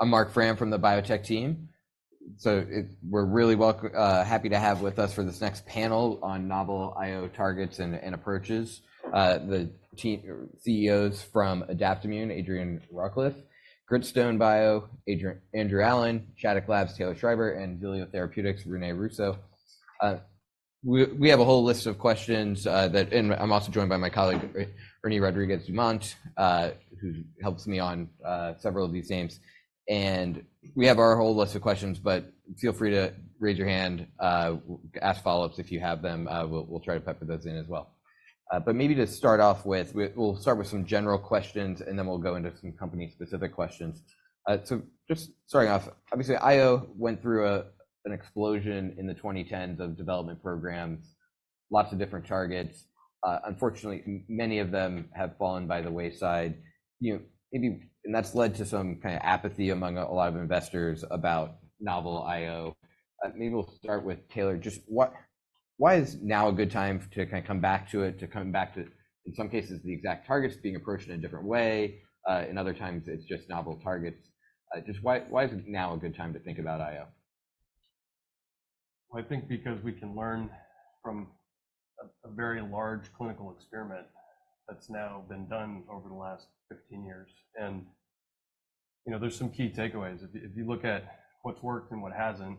I'm Marc Frahm from the biotech team. So we're really welcome, happy to have with us for this next panel on novel i/o targets and approaches. The three CEOs from Adaptimmune, Adrian Rawcliffe, Gritstone bio, Andrew Allen, Shattuck Labs, Taylor Schreiber, and Xilio Therapeutics, René Russo. We have a whole list of questions, and I'm also joined by my colleague, Ernie Rodriguez Dumont, who helps me on several of these names. We have our whole list of questions. But feel free to raise your hand, ask follow-ups if you have them. We'll try to pepper those in as well. But maybe to start off with, we'll start with some general questions, and then we'll go into some company-specific questions. So just starting off, obviously, i/o went through an explosion in the 2010s of development programs. Lots of different targets. Unfortunately, many of them have fallen by the wayside. You know, maybe. And that's led to some kind of apathy among a lot of investors about novel i/o. Maybe we'll start with Taylor. Just what? Why is now a good time to kind of come back to it, to come back to, in some cases, the exact targets being approached in a different way. In other times, it's just novel targets. Just why? Why is it now a good time to think about i/o? Well, I think because we can learn from a very large clinical experiment that's now been done over the last 15 years. And you know, there's some key takeaways. If you look at what's worked and what hasn't,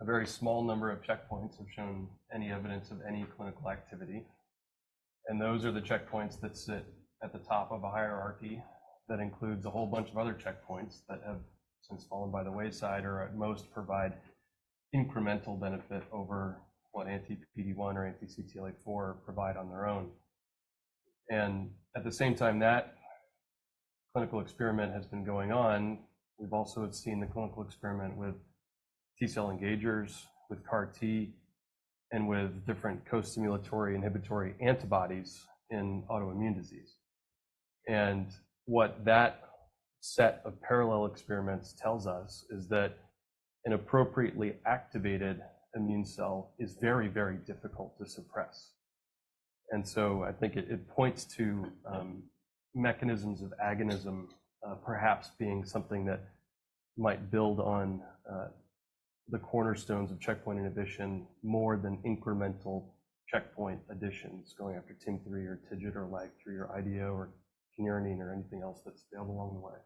a very small number of checkpoints have shown any evidence of any clinical activity. And those are the checkpoints that sit at the top of a hierarchy that includes a whole bunch of other checkpoints that have since fallen by the wayside, or at most provide incremental benefit over what anti-PD-1 or anti-CTLA-4 provide on their own. And at the same time, that clinical experiment has been going on. We've also seen the clinical experiment with T-cell engagers, with CAR-T, and with different co-stimulatory inhibitory antibodies in autoimmune disease. What that set of parallel experiments tells us is that an appropriately activated immune cell is very, very difficult to suppress. So I think it points to mechanisms of agonism, perhaps being something that might build on the cornerstones of checkpoint inhibition more than incremental checkpoint additions going after TIM-3 or TIGIT, or LAG-3, or IDO, or canarine, or anything else that's failed along the way.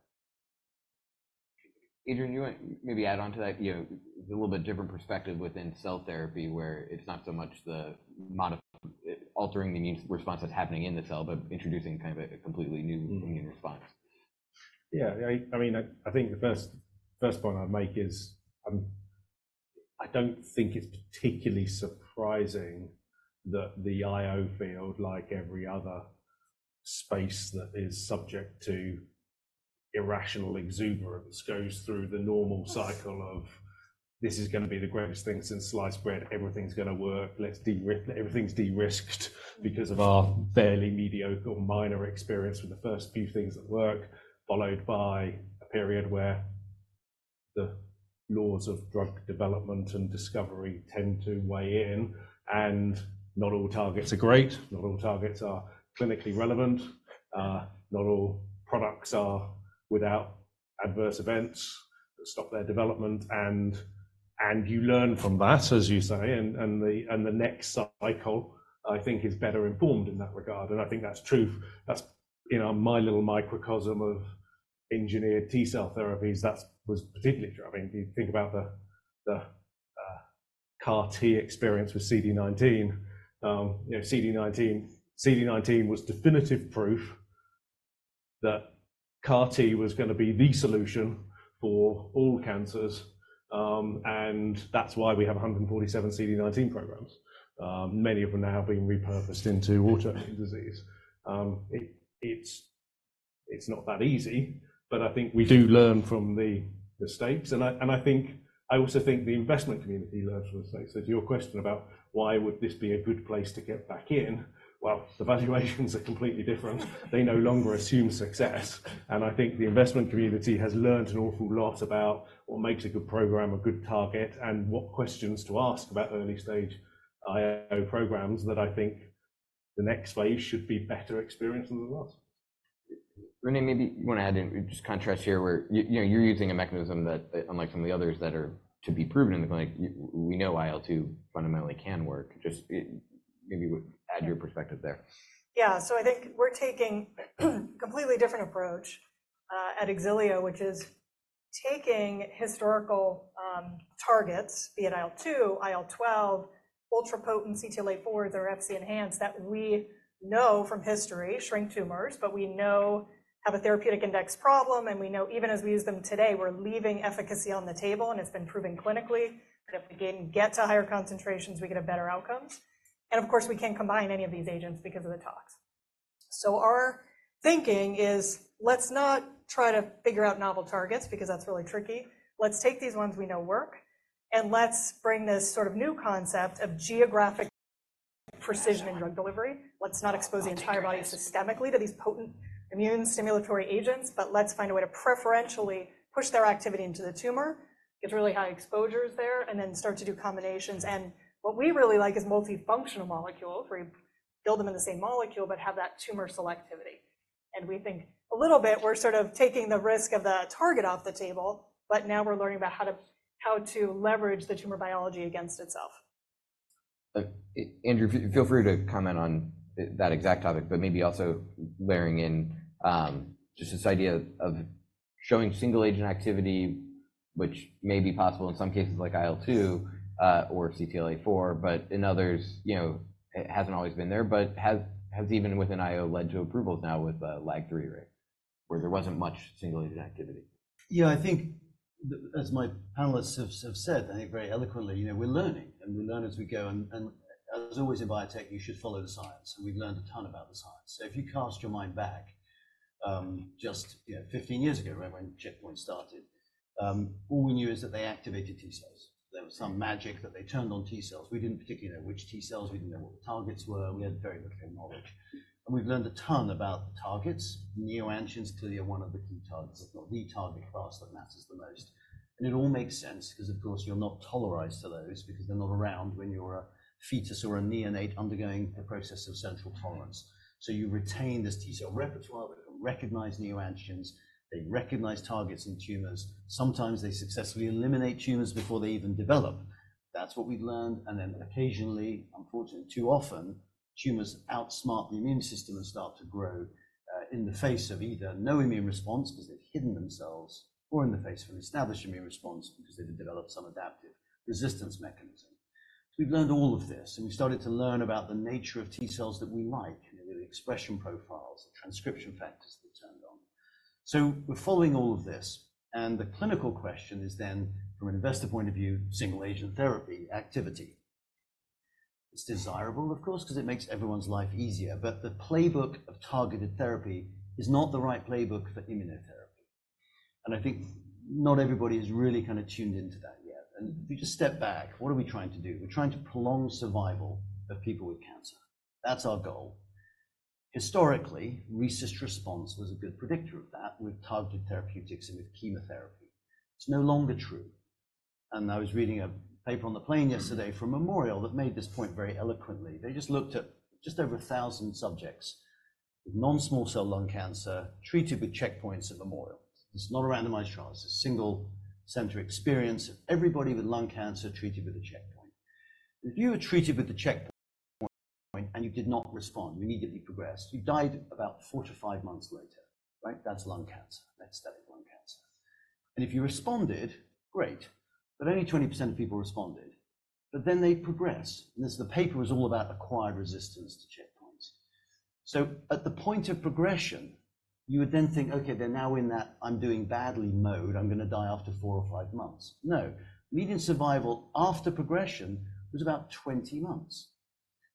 Adrian, you want maybe add on to that? You know, it's a little bit different perspective within cell therapy, where it's not so much the modify altering the immune response that's happening in the cell, but introducing kind of a completely new immune response. Yeah. I mean, I think the first point I'd make is, I don't think it's particularly surprising that the i/o field, like every other space that is subject to irrational exuberance, goes through the normal cycle of, "This is going to be the greatest thing since sliced bread. Everything's going to work. Let's de-risk everything's de-risked because of our fairly mediocre or minor experience with the first few things that work," followed by a period where the laws of drug development and discovery tend to weigh in. Not all targets are great. Not all targets are clinically relevant. Not all products are without adverse events that stop their development. You learn from that, as you say. The next cycle, I think, is better informed in that regard. I think that's truth. That's in my little microcosm of engineered T-cell therapies. That was particularly true. I mean, if you think about the CAR-T experience with CD19, you know, CD19 was definitive proof that CAR-T was going to be the solution for all cancers, and that's why we have 147 CD19 programs. Many of them now have been repurposed into autoimmune disease. It's not that easy. But I think we do learn from the mistakes. And I think I also think the investment community learns from the mistakes. So to your question about why would this be a good place to get back in? Well, the valuations are completely different. They no longer assume success. I think the investment community has learned an awful lot about what makes a good program a good target, and what questions to ask about early-stage i/o programs that I think the next phase should be better experienced than the last. René, maybe you want to add in just contrast here, where you know, you're using a mechanism that, unlike some of the others that are to be proven in the clinic, we know IL-2 fundamentally can work. Just maybe add your perspective there. Yeah. So I think we're taking a completely different approach at Xilio, which is taking historical targets, be it IL-2, IL-12, ultra-potent CTLA-4, their Fc-enhanced that we know from history shrink tumors, but we know they have a therapeutic index problem. And we know, even as we use them today, we're leaving efficacy on the table, and it's been proven clinically. And if we can get to higher concentrations, we get better outcomes. And of course, we can't combine any of these agents because of the tox. So our thinking is, let's not try to figure out novel targets, because that's really tricky. Let's take these ones we know work. And let's bring this sort of new concept of geographic precision in drug delivery. Let's not expose the entire body systemically to these potent immune stimulatory agents. But let's find a way to preferentially push their activity into the tumor. Get really high exposures there, and then start to do combinations. And what we really like is multifunctional molecules, where you build them in the same molecule, but have that tumor selectivity. And we think a little bit we're sort of taking the risk of the target off the table. But now we're learning about how to leverage the tumor biology against itself. Andrew, feel free to comment on that exact topic, but maybe also layering in just this idea of showing single agent activity, which may be possible in some cases, like IL-2 or CTLA-4, but in others, you know, it hasn't always been there, but has even within i/o led to approvals now with a LAG-3 rate, where there wasn't much single agent activity. Yeah. I think, as my panelists have said, I think very eloquently, you know, we're learning, and we learn as we go. And as always in biotech, you should follow the science. And we've learned a ton about the science. So if you cast your mind back, just, you know, 15 years ago, right, when checkpoints started, all we knew is that they activated T-cells. There was some magic that they turned on T-cells. We didn't particularly know which T-cells. We didn't know what the targets were. We had very little knowledge. And we've learned a ton about the targets. Neoantigens clearly are one of the key targets, if not the target class that matters the most. And it all makes sense, because, of course, you're not tolerized to those, because they're not around when you're a fetus or a neonate undergoing the process of central tolerance. So you retain this T-cell repertoire. They can recognize neoantigens. They recognize targets in tumors. Sometimes they successfully eliminate tumors before they even develop. That's what we've learned. And then occasionally, unfortunately, too often, tumors outsmart the immune system and start to grow, in the face of either no immune response, because they've hidden themselves, or in the face of an established immune response, because they've developed some adaptive resistance mechanism. So we've learned all of this. And we started to learn about the nature of T-cells that we like, the expression profiles, the transcription factors that turned on. So we're following all of this. And the clinical question is then, from an investor point of view, single agent therapy activity. It's desirable, of course, because it makes everyone's life easier. But the playbook of targeted therapy is not the right playbook for immunotherapy. I think not everybody is really kind of tuned into that yet. If you just step back, what are we trying to do? We're trying to prolong survival of people with cancer. That's our goal. Historically, RECIST response was a good predictor of that with targeted therapeutics and with chemotherapy. It's no longer true. I was reading a paper on the plane yesterday from Memorial that made this point very eloquently. They just looked at just over 1,000 subjects with non-small cell lung cancer treated with checkpoints at Memorial. It's not a randomized trial. It's a single center experience of everybody with lung cancer treated with a checkpoint. If you were treated with the checkpoint and you did not respond, you immediately progressed. You died about 4-5 months later, right? That's lung cancer. Metastatic lung cancer. If you responded, great. But only 20% of people responded. But then they progress. And this the paper was all about acquired resistance to checkpoints. So at the point of progression, you would then think, OK, they're now in that, "I'm doing badly," mode. I'm going to die after four or five months. No. Median survival after progression was about 20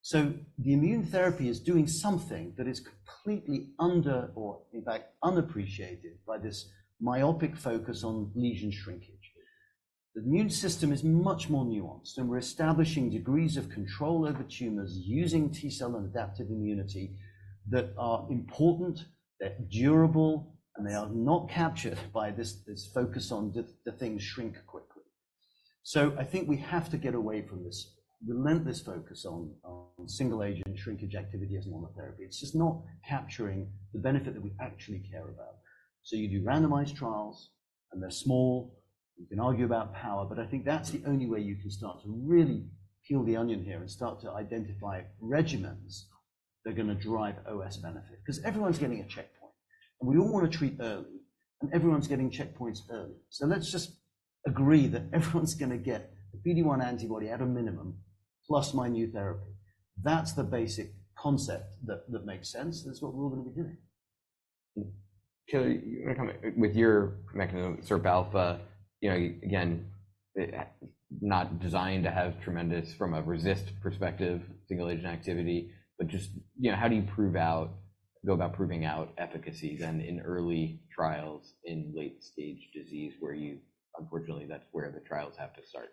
months. So the immune therapy is doing something that is completely under or, in fact, unappreciated by this myopic focus on lesion shrinkage. The immune system is much more nuanced. And we're establishing degrees of control over tumors using T-cell and adaptive immunity that are important. They're durable. And they are not captured by this this focus on the things shrink quickly. So I think we have to get away from this relentless focus on on single agent shrinkage activity as normal therapy. It's just not capturing the benefit that we actually care about. So you do randomized trials. And they're small. You can argue about power. But I think that's the only way you can start to really peel the onion here and start to identify regimens that are going to drive OS benefit, because everyone's getting a checkpoint. And we all want to treat early. And everyone's getting checkpoints early. So let's just agree that everyone's going to get a PD-1 antibody at a minimum, plus my new therapy. That's the basic concept that that makes sense. And that's what we're all going to be doing. Adrian, you want to comment with your mechanism, SIRPα? You know, again, not designed to have tremendous from a resistance perspective single agent activity, but just, you know, how do you go about proving out efficacies in early trials in late-stage disease, where you unfortunately, that's where the trials have to start?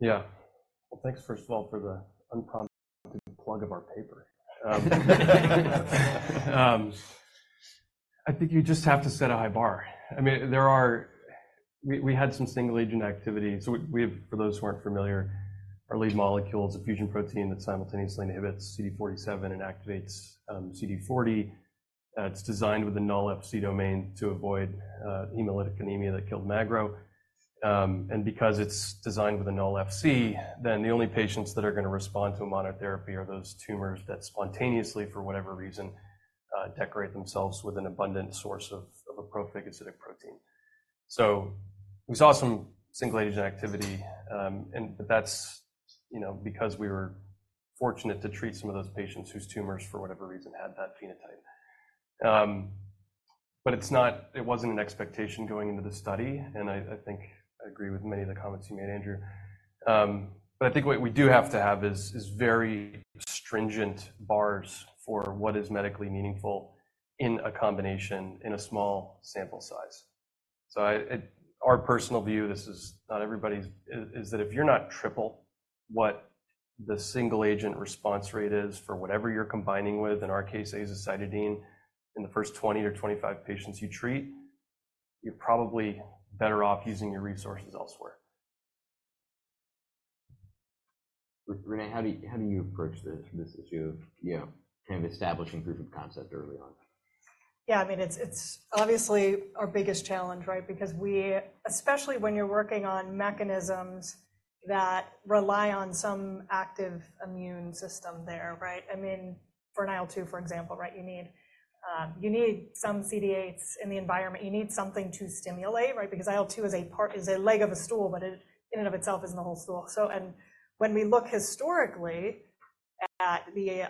Yeah. Well, thanks, first of all, for the unprompted plug of our paper. I think you just have to set a high bar. I mean, we had some single agent activity. So we have for those who aren't familiar, our lead molecule is a fusion protein that simultaneously inhibits CD47 and activates CD40. It's designed with a null FC domain to avoid hemolytic anemia that killed magrolimab. And because it's designed with a null FC, then the only patients that are going to respond to a monotherapy are those tumors that spontaneously, for whatever reason, decorate themselves with an abundant source of a prophagocytic protein. So we saw some single agent activity. But that's, you know, because we were fortunate to treat some of those patients whose tumors, for whatever reason, had that phenotype. But it wasn't an expectation going into the study. And I think I agree with many of the comments you made, Andrew. But I think what we do have to have is very stringent bars for what is medically meaningful in a combination in a small sample size. So, our personal view, this is not everybody's, is that if you're not triple what the single agent response rate is for whatever you're combining with, in our case, azacitidine, in the first 20 or 25 patients you treat, you're probably better off using your resources elsewhere. René, how do you approach this issue of, you know, kind of establishing proof of concept early on? Yeah. I mean, it's obviously our biggest challenge, right? Because we especially when you're working on mechanisms that rely on some active immune system there, right? I mean, for an IL-2, for example, right, you need some CD8s in the environment. You need something to stimulate, right? Because IL-2 is a part, is a leg of a stool. But it in and of itself isn't the whole stool. So when we look historically at the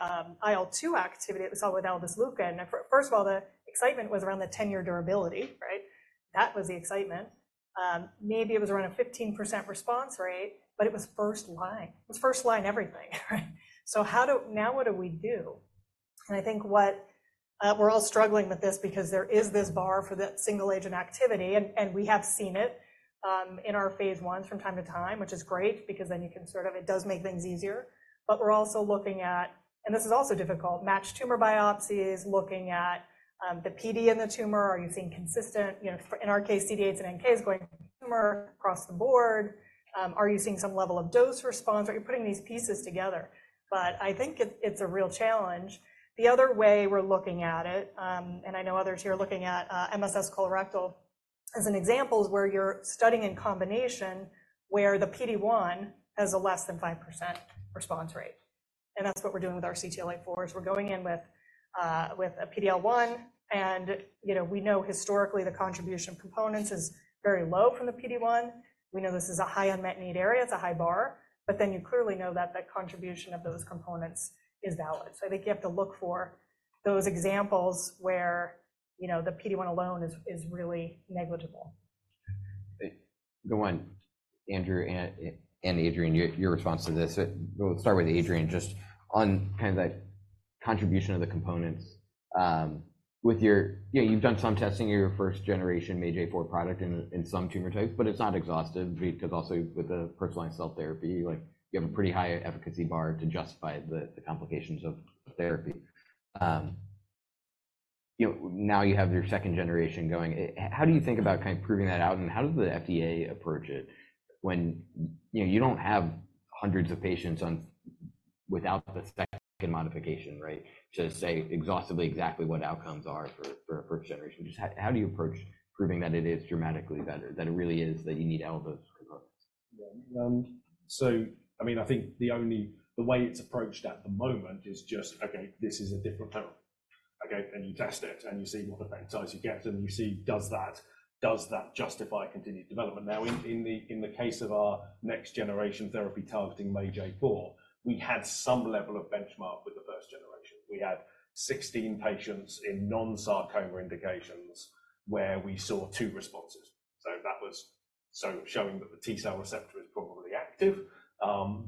IL-2 activity, it was all with aldesleukin. First of all, the excitement was around the 10-year durability, right? That was the excitement. Maybe it was around a 15% response rate. But it was first line. It was first line everything, right? So how do now what do we do? And I think what we're all struggling with this, because there is this bar for that single agent activity. And we have seen it in our phase ones from time to time, which is great, because then you can sort of it does make things easier. But we're also looking at and this is also difficult match tumor biopsies, looking at the PD in the tumor. Are you seeing consistent, you know, in our case, CD8s and NKs going to the tumor across the board? Are you seeing some level of dose response? Right? You're putting these pieces together. But I think it's a real challenge. The other way we're looking at it, and I know others here are looking at MSS colorectal as an example, is where you're studying in combination where the PD-1 has a less than 5% response rate. And that's what we're doing with our CTLA-4s. We're going in with a PD-L1. You know, we know historically, the contribution of components is very low from the PD-1. We know this is a high unmet need area. It's a high bar. But then you clearly know that that contribution of those components is valid. So I think you have to look for those examples where, you know, the PD-1 alone is really negligible. Go on, Andrew and Adrienne. Your response to this. We'll start with Adrienne, just on kind of that contribution of the components. With, you know, you've done some testing of your first generation MAGE-A4 product in some tumor types. But it's not exhaustive, because also with the personalized cell therapy, you have a pretty high efficacy bar to justify the complications of therapy. You know, now you have your second generation going. How do you think about kind of proving that out? And how does the FDA approach it when, you know, you don't have hundreds of patients on without the second modification, right, to say exhaustively exactly what outcomes are for a first generation? Just how do you approach proving that it is dramatically better, that it really is that you need all those components? Yeah. So I mean, I think the only way it's approached at the moment is just, OK, this is a different term. OK? And you test it. And you see what effect does it get? And you see, does that justify continued development? Now, in the case of our next generation therapy targeting MAGE-A4, we had some level of benchmark with the first generation. We had 16 patients in non-sarcoma indications where we saw 2 responses. So that was showing that the T-cell receptor is probably active,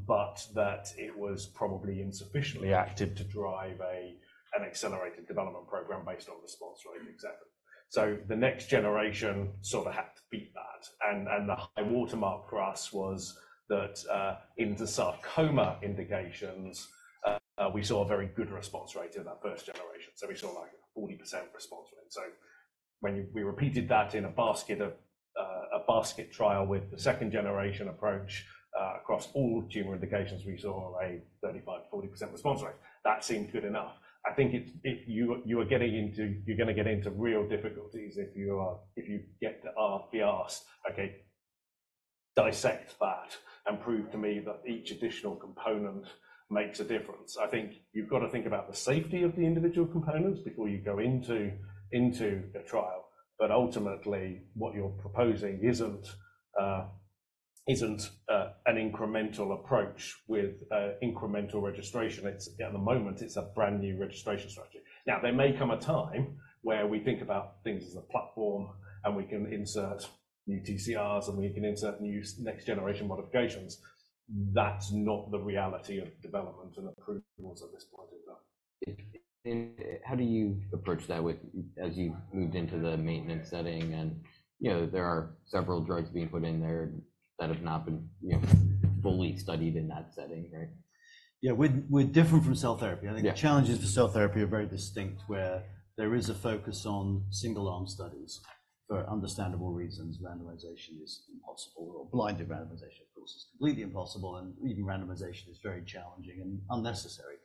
but that it was probably insufficiently active to drive an accelerated development program based on response rate, et cetera. So the next generation sort of had to beat that. And the high watermark for us was that into sarcoma indications, we saw a very good response rate in that first generation. So we saw like a 40% response rate. So when we repeated that in a basket of a basket trial with the second generation approach across all tumor indications, we saw a 35%-40% response rate. That seemed good enough. I think if you're going to get into real difficulties if you get to be asked, OK, dissect that and prove to me that each additional component makes a difference. I think you've got to think about the safety of the individual components before you go into a trial. But ultimately, what you're proposing isn't an incremental approach with incremental registration. It's at the moment, it's a brand new registration strategy. Now, there may come a time where we think about things as a platform. And we can insert new TCRs. We can insert new next generation modifications. That's not the reality of development and approvals at this point in time. How do you approach that with as you've moved into the maintenance setting? You know, there are several drugs being put in there that have not been, you know, fully studied in that setting, right? Yeah. We're different from cell therapy. I think the challenges for cell therapy are very distinct, where there is a focus on single-arm studies. For understandable reasons, randomization is impossible. Or blinded randomization, of course, is completely impossible. And even randomization is very challenging and unnecessary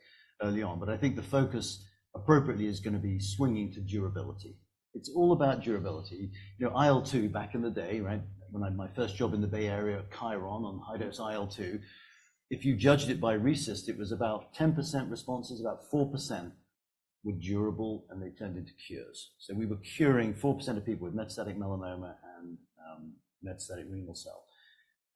early on. But I think the focus appropriately is going to be swinging to durability. It's all about durability. You know, IL-2 back in the day, right, when I had my first job in the Bay Area, Chiron, on high-dose IL-2, if you judged it by RECIST, it was about 10% responses, about 4% were durable. And they turned into cures. So we were curing 4% of people with metastatic melanoma and metastatic renal cell.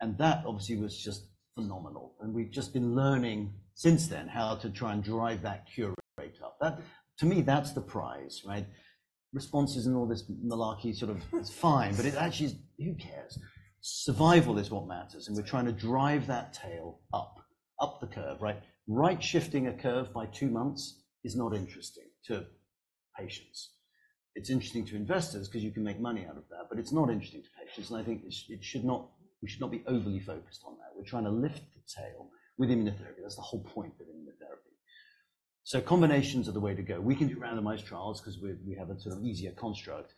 And that obviously was just phenomenal. And we've just been learning since then how to try and drive that cure rate up. To me, that's the prize, right? Responses and all this malarkey sort of it's fine. But it actually is who cares? Survival is what matters. And we're trying to drive that tail up, up the curve, right? Right, shifting a curve by 2 months is not interesting to patients. It's interesting to investors, because you can make money out of that. But it's not interesting to patients. And I think we should not be overly focused on that. We're trying to lift the tail with immunotherapy. That's the whole point of immunotherapy. So combinations are the way to go. We can do randomized trials, because we have a sort of easier construct.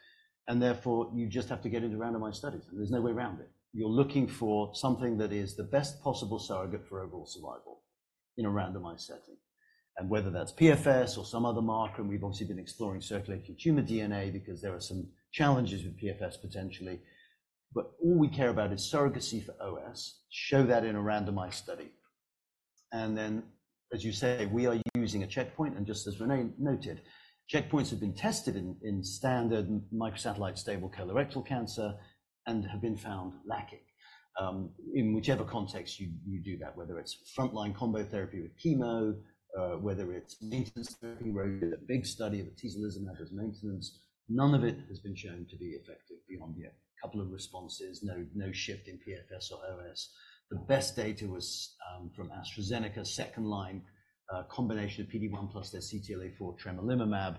And therefore, you just have to get into randomized studies. And there's no way around it. You're looking for something that is the best possible surrogate for overall survival in a randomized setting. Whether that's PFS or some other marker and we've obviously been exploring circulating tumor DNA, because there are some challenges with PFS potentially. But all we care about is surrogacy for OS. Show that in a randomized study. Then, as you say, we are using a checkpoint. And just as René noted, checkpoints have been tested in standard microsatellite stable colorectal cancer and have been found lacking. In whichever context you do that, whether it's frontline combo therapy with chemo, whether it's maintenance therapy, whether you have a big study of the T-cell lysomy as maintenance, none of it has been shown to be effective beyond, yeah, a couple of responses, no shift in PFS or OS. The best data was from AstraZeneca, second-line combination of PD-1 plus their CTLA-4 tremelimumab.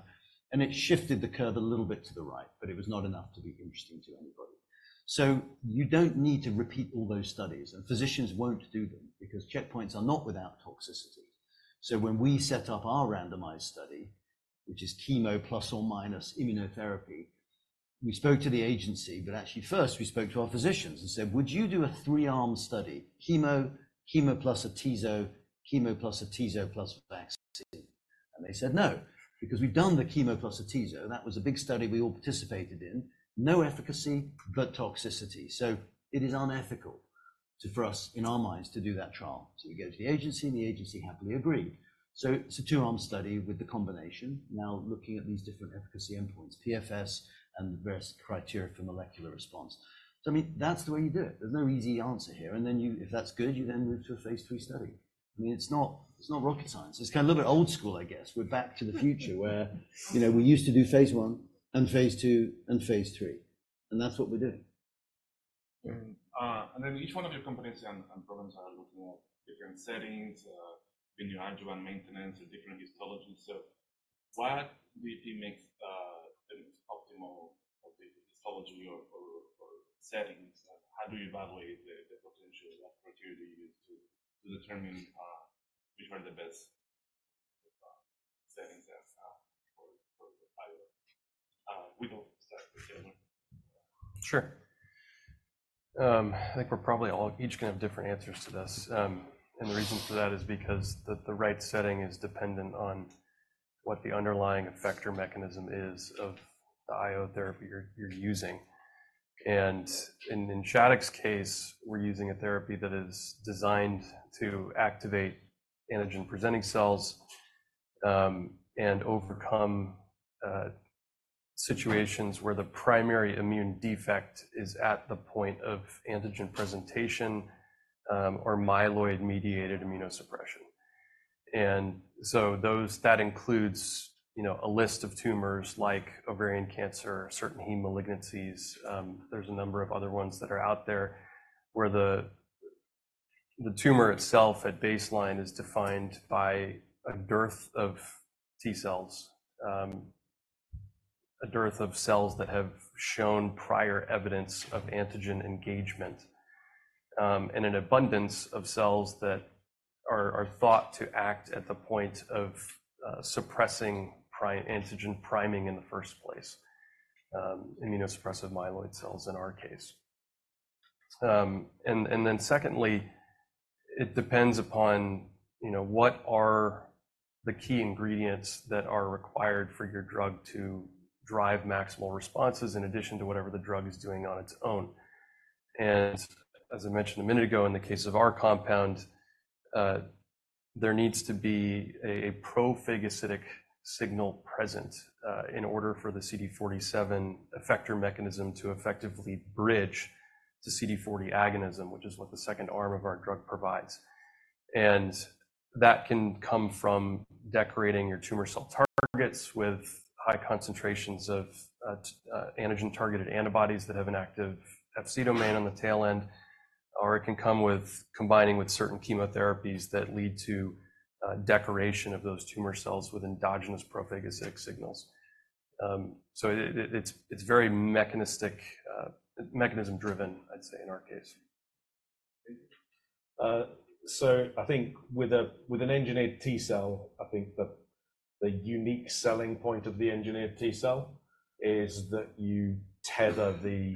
And it shifted the curve a little bit to the right. But it was not enough to be interesting to anybody. So you don't need to repeat all those studies. And physicians won't do them, because checkpoints are not without toxicity. So when we set up our randomized study, which is chemo plus or minus immunotherapy, we spoke to the agency. But actually, first, we spoke to our physicians and said, would you do a three-arm study, chemo, chemo plus atezo, chemo plus atezo plus vaccine? And they said, no, because we've done the chemo plus atezo. That was a big study we all participated in. No efficacy, but toxicity. So it is unethical for us, in our minds, to do that trial. So we go to the agency. And the agency happily agreed. So it's a two-arm study with the combination, now looking at these different efficacy endpoints, PFS and the various criteria for molecular response. So I mean, that's the way you do it. There's no easy answer here. And then you, if that's good, you then move to a phase three study. I mean, it's not rocket science. It's kind of a little bit old school, I guess. We're back to the future, where, you know, we used to do phase one and phase two and phase three. And that's what we're doing. And then each one of your components and programs are looking at different settings, in your adjuvant maintenance or different histologies. So what do you think makes an optimal histology or settings? How do you evaluate the potential of that criteria you use to determine which are the best settings for the pilot? We can start together. Sure. I think we're probably all each going to have different answers to this. The reason for that is because the right setting is dependent on what the underlying effector mechanism is of the I-O therapy you're using. In Xilio's case, we're using a therapy that is designed to activate antigen-presenting cells and overcome situations where the primary immune defect is at the point of antigen presentation or myeloid-mediated immunosuppression. So those that includes, you know, a list of tumors like ovarian cancer, certain heme malignancies. There's a number of other ones that are out there, where the tumor itself at baseline is defined by a dearth of T-cells, a dearth of cells that have shown prior evidence of antigen engagement, and an abundance of cells that are thought to act at the point of suppressing antigen priming in the first place, immunosuppressive myeloid cells in our case. And then secondly, it depends upon, you know, what are the key ingredients that are required for your drug to drive maximal responses in addition to whatever the drug is doing on its own. And as I mentioned a minute ago, in the case of our compound, there needs to be a prophagocytic signal present in order for the CD47 effector mechanism to effectively bridge to CD40 agonism, which is what the second arm of our drug provides. That can come from decorating your tumor cell targets with high concentrations of antigen-targeted antibodies that have an active FC domain on the tail end. Or it can come with combining with certain chemotherapies that lead to decoration of those tumor cells with endogenous prophagocytic signals. It's very mechanistic mechanism driven, I'd say, in our case. So I think with an engineered T-cell, I think the unique selling point of the engineered T-cell is that you tether the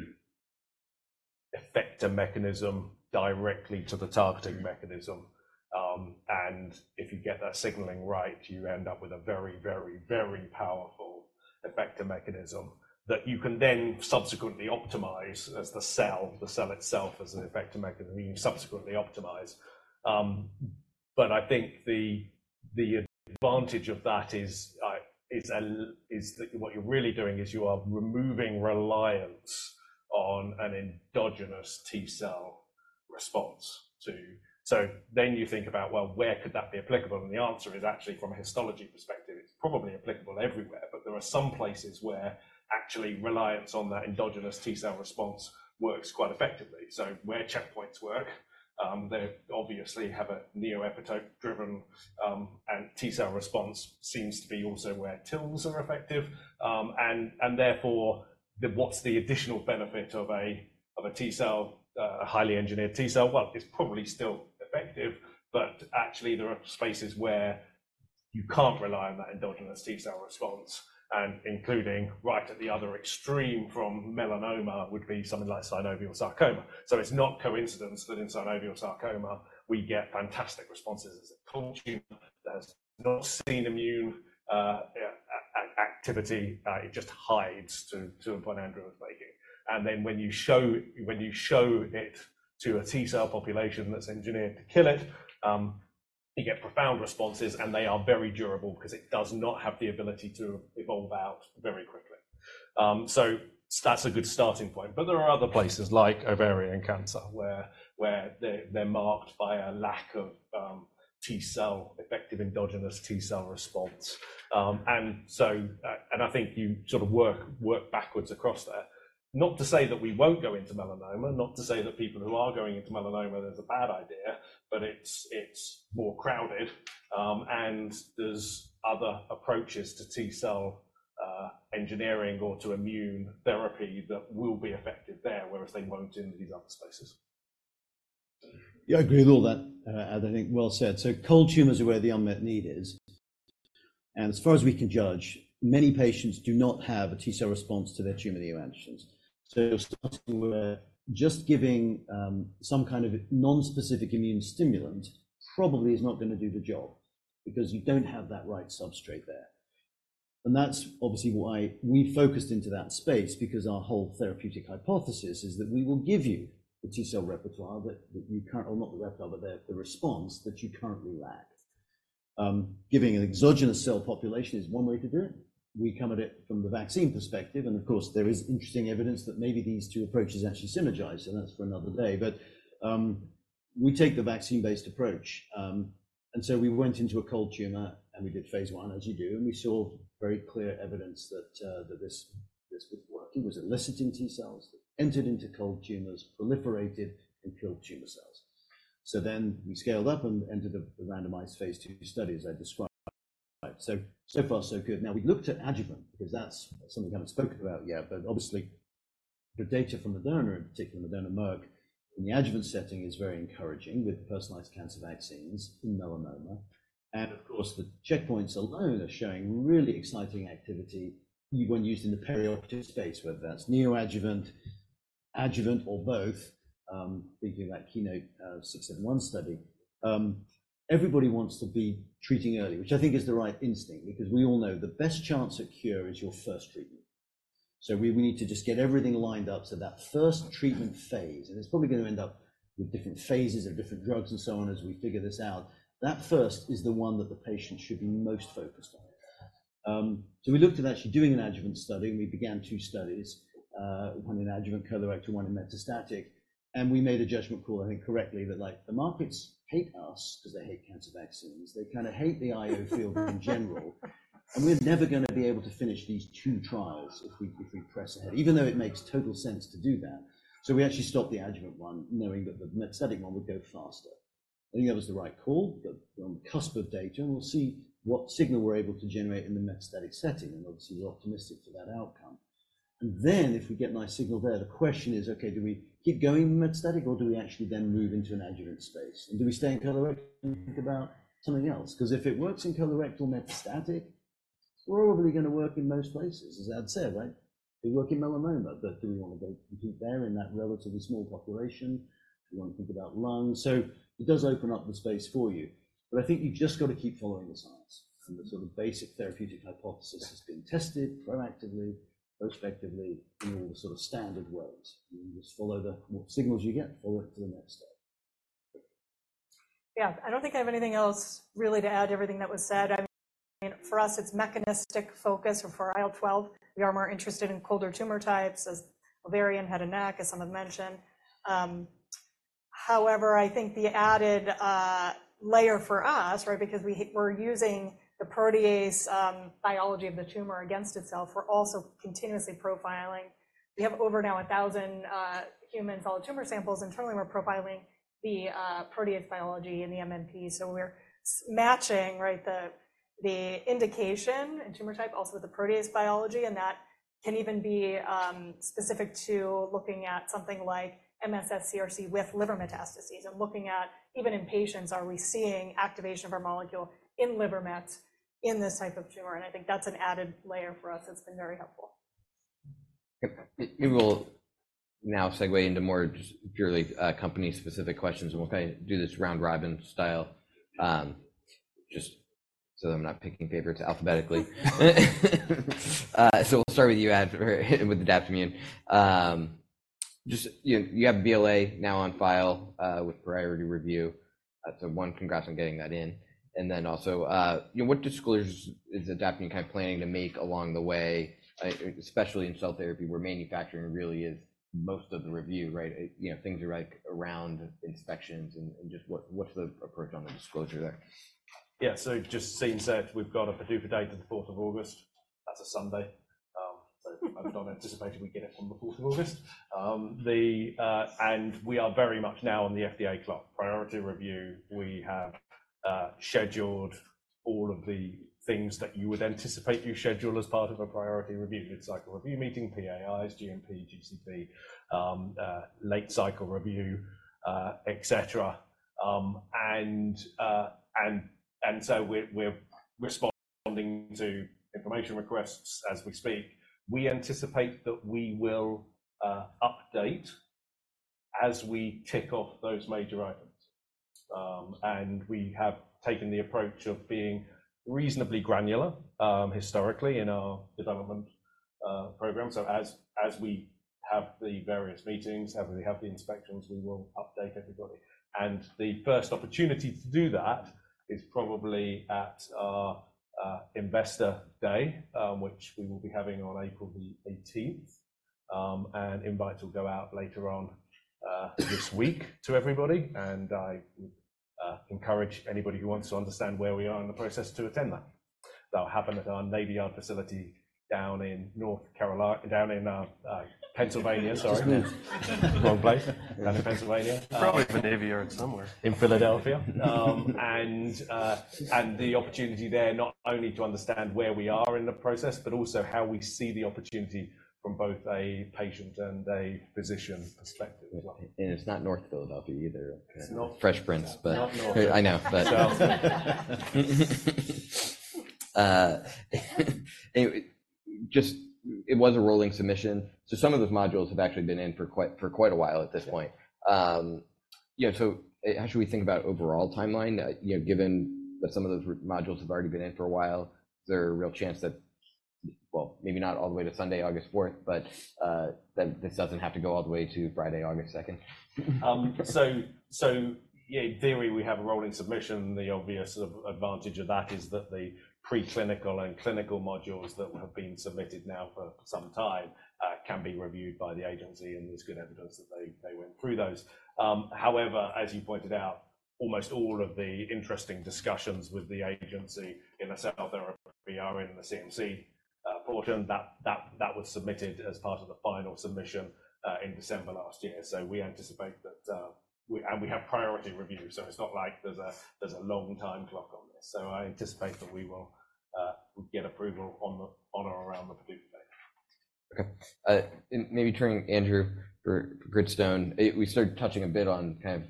effector mechanism directly to the targeting mechanism. And if you get that signaling right, you end up with a very, very, very powerful effector mechanism that you can then subsequently optimize as the cell, the cell itself, as an effector mechanism. You subsequently optimize. But I think the advantage of that is that what you're really doing is you are removing reliance on an endogenous T-cell response. So then you think about, well, where could that be applicable? And the answer is, actually, from a histology perspective, it's probably applicable everywhere. But there are some places where actually reliance on that endogenous T-cell response works quite effectively. So where checkpoints work, they obviously have a neoepitope driven. T-cell response seems to be also where TILs are effective. And therefore, what's the additional benefit of a T-cell, a highly engineered T-cell? Well, it's probably still effective. But actually, there are spaces where you can't rely on that endogenous T-cell response, including right at the other extreme from melanoma would be something like synovial sarcoma. So it's no coincidence that in synovial sarcoma, we get fantastic responses as a cold tumor that has not seen immune activity. It just hides to a point Andrew was making. And then when you show it to a T-cell population that's engineered to kill it, you get profound responses. And they are very durable, because it does not have the ability to evolve out very quickly. So that's a good starting point. But there are other places, like ovarian cancer, where they're marked by a lack of T-cell, effective endogenous T-cell response. And so and I think you sort of work backwards across there, not to say that we won't go into melanoma, not to say that people who are going into melanoma, there's a bad idea. But it's more crowded. And there's other approaches to T-cell engineering or to immune therapy that will be effective there, whereas they won't in these other spaces. Yeah, I agree with all that, Adrian. I think well said. So cold tumors are where the unmet need is. And as far as we can judge, many patients do not have a T-cell response to their tumor neoantigens. So you're starting where just giving some kind of nonspecific immune stimulant probably is not going to do the job, because you don't have that right substrate there. And that's obviously why we focused into that space, because our whole therapeutic hypothesis is that we will give you the T-cell repertoire that you currently well, not the repertoire, but the response that you currently lack. Giving an exogenous cell population is one way to do it. We come at it from the vaccine perspective. And of course, there is interesting evidence that maybe these two approaches actually synergize. So that's for another day. But we take the vaccine-based approach. We went into a cold tumor. We did phase I, as you do. We saw very clear evidence that this was working. It was eliciting T-cells that entered into cold tumors, proliferated, and killed tumor cells. Then we scaled up and entered the randomized phase II study, as I described. So far, so good. Now, we've looked at adjuvant, because that's something I haven't spoken about yet. Obviously, the data from Moderna, in particular, Moderna Merck, in the adjuvant setting is very encouraging with personalized cancer vaccines in melanoma. Of course, the checkpoints alone are showing really exciting activity when used in the perioperative space, whether that's neoadjuvant, adjuvant, or both, thinking of that Keynote 671 study. Everybody wants to be treating early, which I think is the right instinct, because we all know the best chance at cure is your first treatment. So we need to just get everything lined up so that first treatment phase and it's probably going to end up with different phases of different drugs and so on as we figure this out, that first is the one that the patient should be most focused on. So we looked at actually doing an adjuvant study. And we began two studies, one in adjuvant colorectal, one in metastatic. And we made a judgment call, I think, correctly, that the markets hate us, because they hate cancer vaccines. They kind of hate the IO field in general. And we're never going to be able to finish these two trials if we press ahead, even though it makes total sense to do that. We actually stopped the adjuvant one, knowing that the metastatic one would go faster. I think that was the right call. We're on the cusp of data. We'll see what signal we're able to generate in the metastatic setting. Obviously, we're optimistic for that outcome. Then if we get nice signal there, the question is, OK, do we keep going metastatic? Or do we actually then move into an adjuvant space? Do we stay in colorectal and think about something else? Because if it works in colorectal metastatic, it's probably going to work in most places, as Adrian said, right? It'll work in melanoma. Do we want to go compete there in that relatively small population? Do we want to think about lungs? It does open up the space for you. I think you've just got to keep following the science. The sort of basic therapeutic hypothesis has been tested proactively, prospectively, in all the sort of standard ways. You just follow the signals you get. Follow it to the next step. Yeah, I don't think I have anything else, really, to add to everything that was said. For us, it's mechanistic focus. And for IL-12, we are more interested in colder tumor types, as ovarian head and neck, as some have mentioned. However, I think the added layer for us, right, because we're using the protease biology of the tumor against itself, we're also continuously profiling. We have over now 1,000 human solid tumor samples. Internally, we're profiling the protease biology in the MMP. So we're matching the indication and tumor type also with the protease biology. And that can even be specific to looking at something like MSS-CRC with liver metastases and looking at, even in patients, are we seeing activation of our molecule in liver mets in this type of tumor? And I think that's an added layer for us that's been very helpful. We will now segue into more purely company-specific questions. We'll kind of do this round-robin style, just so that I'm not picking favorites alphabetically. We'll start with you, Adrian, with Adaptimmune. You have BLA now on file with priority review. So one, congrats on getting that in. And then also, what disclosures is Adaptimmune kind of planning to make along the way, especially in cell therapy, where manufacturing really is most of the review, right? Things are around inspections. And just what's the approach on the disclosure there? Yeah, so just as I said, we've got a pseudo-date of the 4th of August. That's a Sunday. So I've not anticipated we'd get it on the 4th of August. And we are very much now on the FDA clock, priority review. We have scheduled all of the things that you would anticipate you schedule as part of a priority review. Mid-cycle review meeting, PAIs, GMP, GCP, late cycle review, et cetera. And so we're responding to information requests as we speak. We anticipate that we will update as we tick off those major items. And we have taken the approach of being reasonably granular historically in our development program. So as we have the various meetings, as we have the inspections, we will update everybody. And the first opportunity to do that is probably at our investor day, which we will be having on April the 18th. Invites will go out later on this week to everybody. I would encourage anybody who wants to understand where we are in the process to attend that. That'll happen at our Navy Yard facility down in North Carolina down in Pennsylvania, sorry, wrong place, down in Pennsylvania. Probably at the Navy Yard somewhere. In Philadelphia. The opportunity there, not only to understand where we are in the process, but also how we see the opportunity from both a patient and a physician perspective as well. It's not North Philadelphia either. Fresh prints. But I know. Just, it was a rolling submission. So some of those modules have actually been in for quite a while at this point. So how should we think about overall timeline? Given that some of those modules have already been in for a while, is there a real chance that, well, maybe not all the way to Sunday, August 4th, but that this doesn't have to go all the way to Friday, August 2nd? So in theory, we have a rolling submission. The obvious sort of advantage of that is that the preclinical and clinical modules that have been submitted now for some time can be reviewed by the agency. There's good evidence that they went through those. However, as you pointed out, almost all of the interesting discussions with the agency in the cell therapy are in the CMC portion. That was submitted as part of the final submission in December last year. We anticipate that and we have priority review. It's not like there's a long time clock on this. I anticipate that we will get approval on or around the PDUFA date. OK. Maybe turning, Andrew, for Gritstone. We started touching a bit on kind of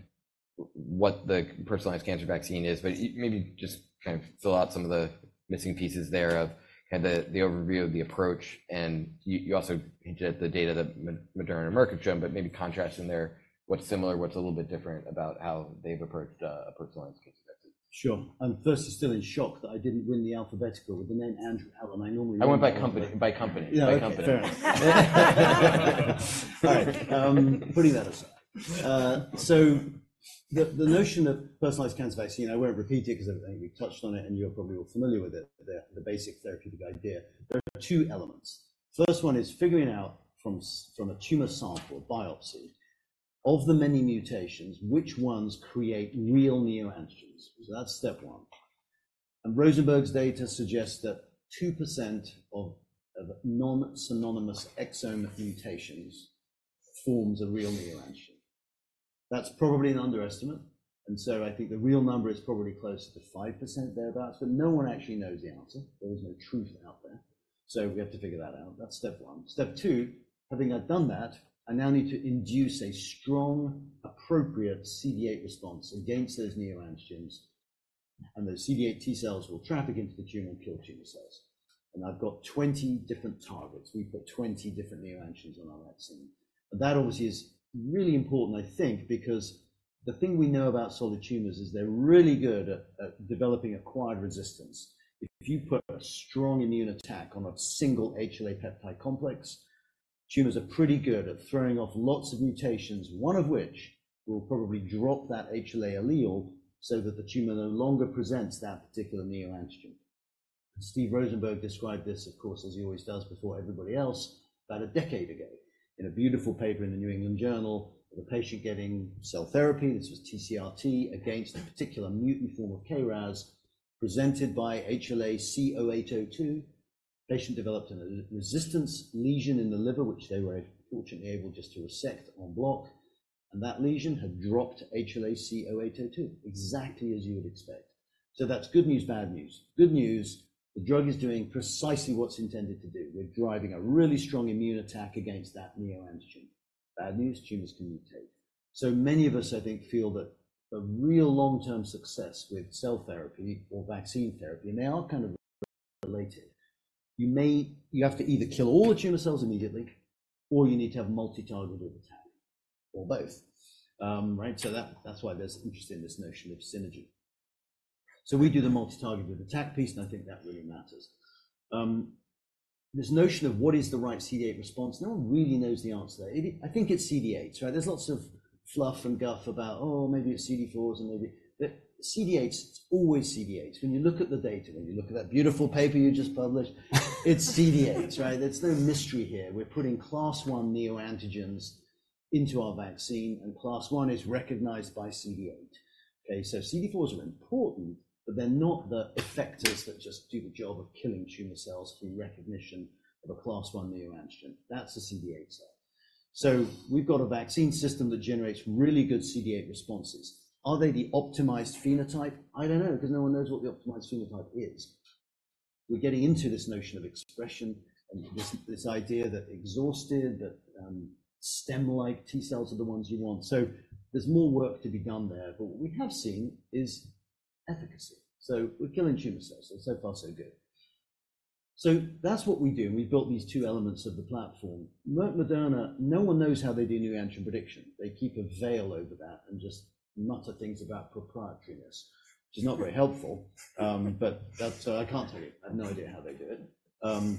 what the personalized cancer vaccine is. But maybe just kind of fill out some of the missing pieces there of kind of the overview of the approach. And you also hinted at the data that Moderna and Merck have shown. But maybe contrasting there, what's similar, what's a little bit different about how they've approached a personalized cancer vaccine. Sure. First, I'm still in shock that I didn't win the alphabetical with the name Andrew Allen. I normally win. I went by company. By company. Yeah, OK. Fair. All right. Putting that aside, so the notion of personalized cancer vaccine I won't repeat it, because I think we've touched on it. You're probably all familiar with it, the basic therapeutic idea. There are two elements. First one is figuring out from a tumor sample, a biopsy, of the many mutations, which ones create real neoantigens. So that's step one. Rosenberg's data suggests that 2% of non-synonymous exome mutations forms a real neoantigen. That's probably an underestimate. So I think the real number is probably close to 5%, thereabouts. But no one actually knows the answer. There is no truth out there. So we have to figure that out. That's step one. Step two, having done that, I now need to induce a strong, appropriate CD8 response against those neoantigens. Those CD8 T-cells will traffic into the tumor and kill tumor cells. I've got 20 different targets. We put 20 different neoantigens on our vaccine. That obviously is really important, I think, because the thing we know about solid tumors is they're really good at developing acquired resistance. If you put a strong immune attack on a single HLA peptide complex, tumors are pretty good at throwing off lots of mutations, one of which will probably drop that HLA allele so that the tumor no longer presents that particular neoantigen. Steve Rosenberg described this, of course, as he always does before everybody else, about a decade ago in a beautiful paper in the New England Journal of a patient getting cell therapy. This was TCR-T against a particular mutant form of KRAS presented by HLA-C0802. The patient developed a resistance lesion in the liver, which they were fortunately able just to resect on bloc. That lesion had dropped HLA-C0802 exactly as you would expect. That's good news, bad news. Good news, the drug is doing precisely what's intended to do. We're driving a really strong immune attack against that neoantigen. Bad news, tumors can mutate. So many of us, I think, feel that the real long-term success with cell therapy or vaccine therapy and they are kind of related. You have to either kill all the tumor cells immediately, or you need to have a multi-targeted attack, or both, right? That's why there's interest in this notion of synergy. We do the multi-targeted attack piece. I think that really matters. This notion of what is the right CD8 response no one really knows the answer there. I think it's CD8s, right? There's lots of fluff and guff about, oh, maybe it's CD4s. And maybe but CD8s, it's always CD8s. When you look at the data, when you look at that beautiful paper you just published, it's CD8s, right? There's no mystery here. We're putting class I neoantigens into our vaccine. And class I is recognized by CD8. OK, so CD4s are important. But they're not the effectors that just do the job of killing tumor cells through recognition of a class I neoantigen. That's a CD8 cell. So we've got a vaccine system that generates really good CD8 responses. Are they the optimized phenotype? I don't know, because no one knows what the optimized phenotype is. We're getting into this notion of expression and this idea that exhausted, that stem-like T-cells are the ones you want. So there's more work to be done there. But what we have seen is efficacy. So we're killing tumor cells. And so far, so good. So that's what we do. We've built these two elements of the platform. Moderna, no one knows how they do neoantigen prediction. They keep a veil over that and just mutter things about proprietariness, which is not very helpful. But I can't tell you. I have no idea how they do it.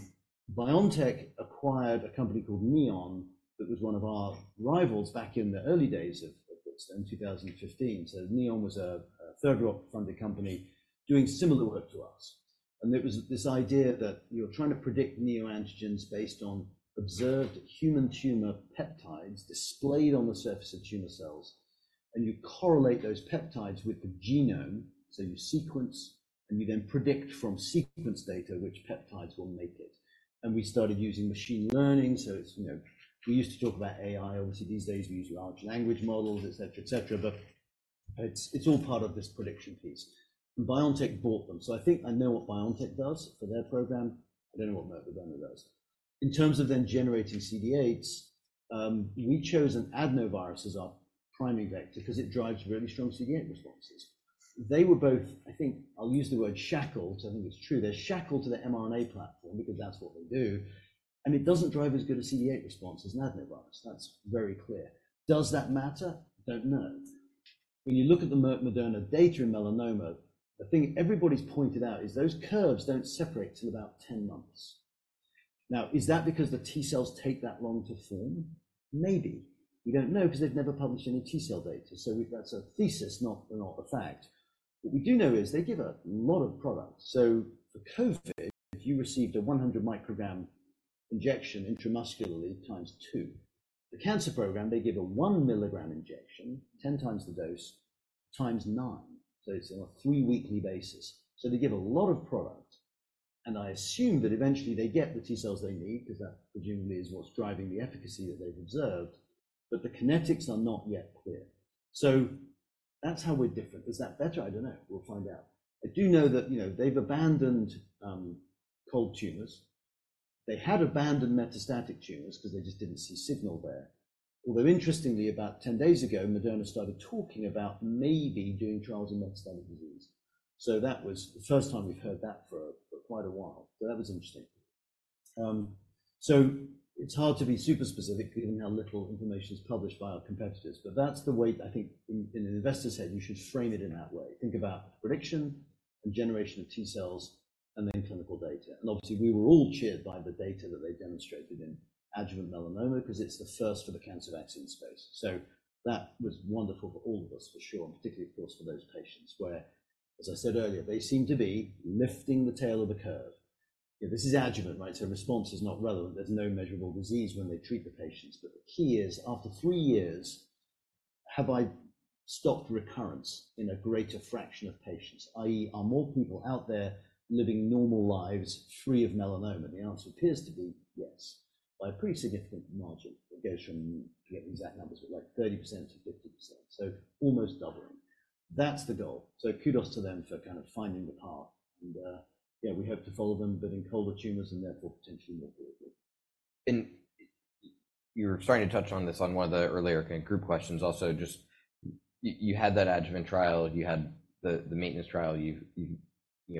BioNTech acquired a company called NEON that was one of our rivals back in the early days of Gritstone, 2015. So NEON was a third-round funded company doing similar work to us. And there was this idea that you're trying to predict neoantigens based on observed human tumor peptides displayed on the surface of tumor cells. And you correlate those peptides with the genome. So you sequence. And you then predict from sequence data which peptides will make it. And we started using machine learning. So we used to talk about AI. Obviously, these days, we use large language models, et cetera, et cetera. But it's all part of this prediction piece. And BioNTech bought them. So I think I know what BioNTech does for their program. I don't know what Moderna does. In terms of then generating CD8s, we chose an adenovirus as our priming vector, because it drives really strong CD8 responses. They were both, I think I'll use the word shackled. I think it's true. They're shackled to the mRNA platform, because that's what they do. And it doesn't drive as good a CD8 response as an adenovirus. That's very clear. Does that matter? Don't know. When you look at the Moderna data in melanoma, the thing everybody's pointed out is those curves don't separate till about 10 months. Now, is that because the T-cells take that long to form? Maybe. We don't know, because they've never published any T-cell data. So that's a thesis, not a fact. What we do know is they give a lot of product. So for COVID, if you received a 100 microgram injection intramuscularly times two, the cancer program, they give a 1 milligram injection, 10 times the dose, times nine. So it's on a three-weekly basis. So they give a lot of product. And I assume that eventually, they get the T-cells they need, because that presumably is what's driving the efficacy that they've observed. But the kinetics are not yet clear. So that's how we're different. Is that better? I don't know. We'll find out. I do know that they've abandoned cold tumors. They had abandoned metastatic tumors, because they just didn't see signal there. Although, interestingly, about 10 days ago, Moderna started talking about maybe doing trials in metastatic disease. That was the first time we've heard that for quite a while. That was interesting. It's hard to be super specific, given how little information is published by our competitors. But that's the way, I think, in an investor's head, you should frame it in that way. Think about prediction and generation of T-cells and then clinical data. Obviously, we were all cheered by the data that they demonstrated in adjuvant melanoma, because it's the first for the cancer vaccine space. That was wonderful for all of us, for sure, and particularly, of course, for those patients, where, as I said earlier, they seem to be lifting the tail of the curve. This is adjuvant, right? Response is not relevant. There's no measurable disease when they treat the patients. But the key is, after three years, have I stopped recurrence in a greater fraction of patients, i.e., are more people out there living normal lives free of melanoma? The answer appears to be yes, by a pretty significant margin. It goes from to get the exact numbers but like 30%-50%, so almost doubling. That's the goal. So kudos to them for kind of finding the path. And yeah, we hope to follow them, but in colder tumors and therefore potentially more globally. And you were starting to touch on this on one of the earlier kind of group questions also. Just you had that adjuvant trial. You had the maintenance trial. You've continued doing the maintenance trial. And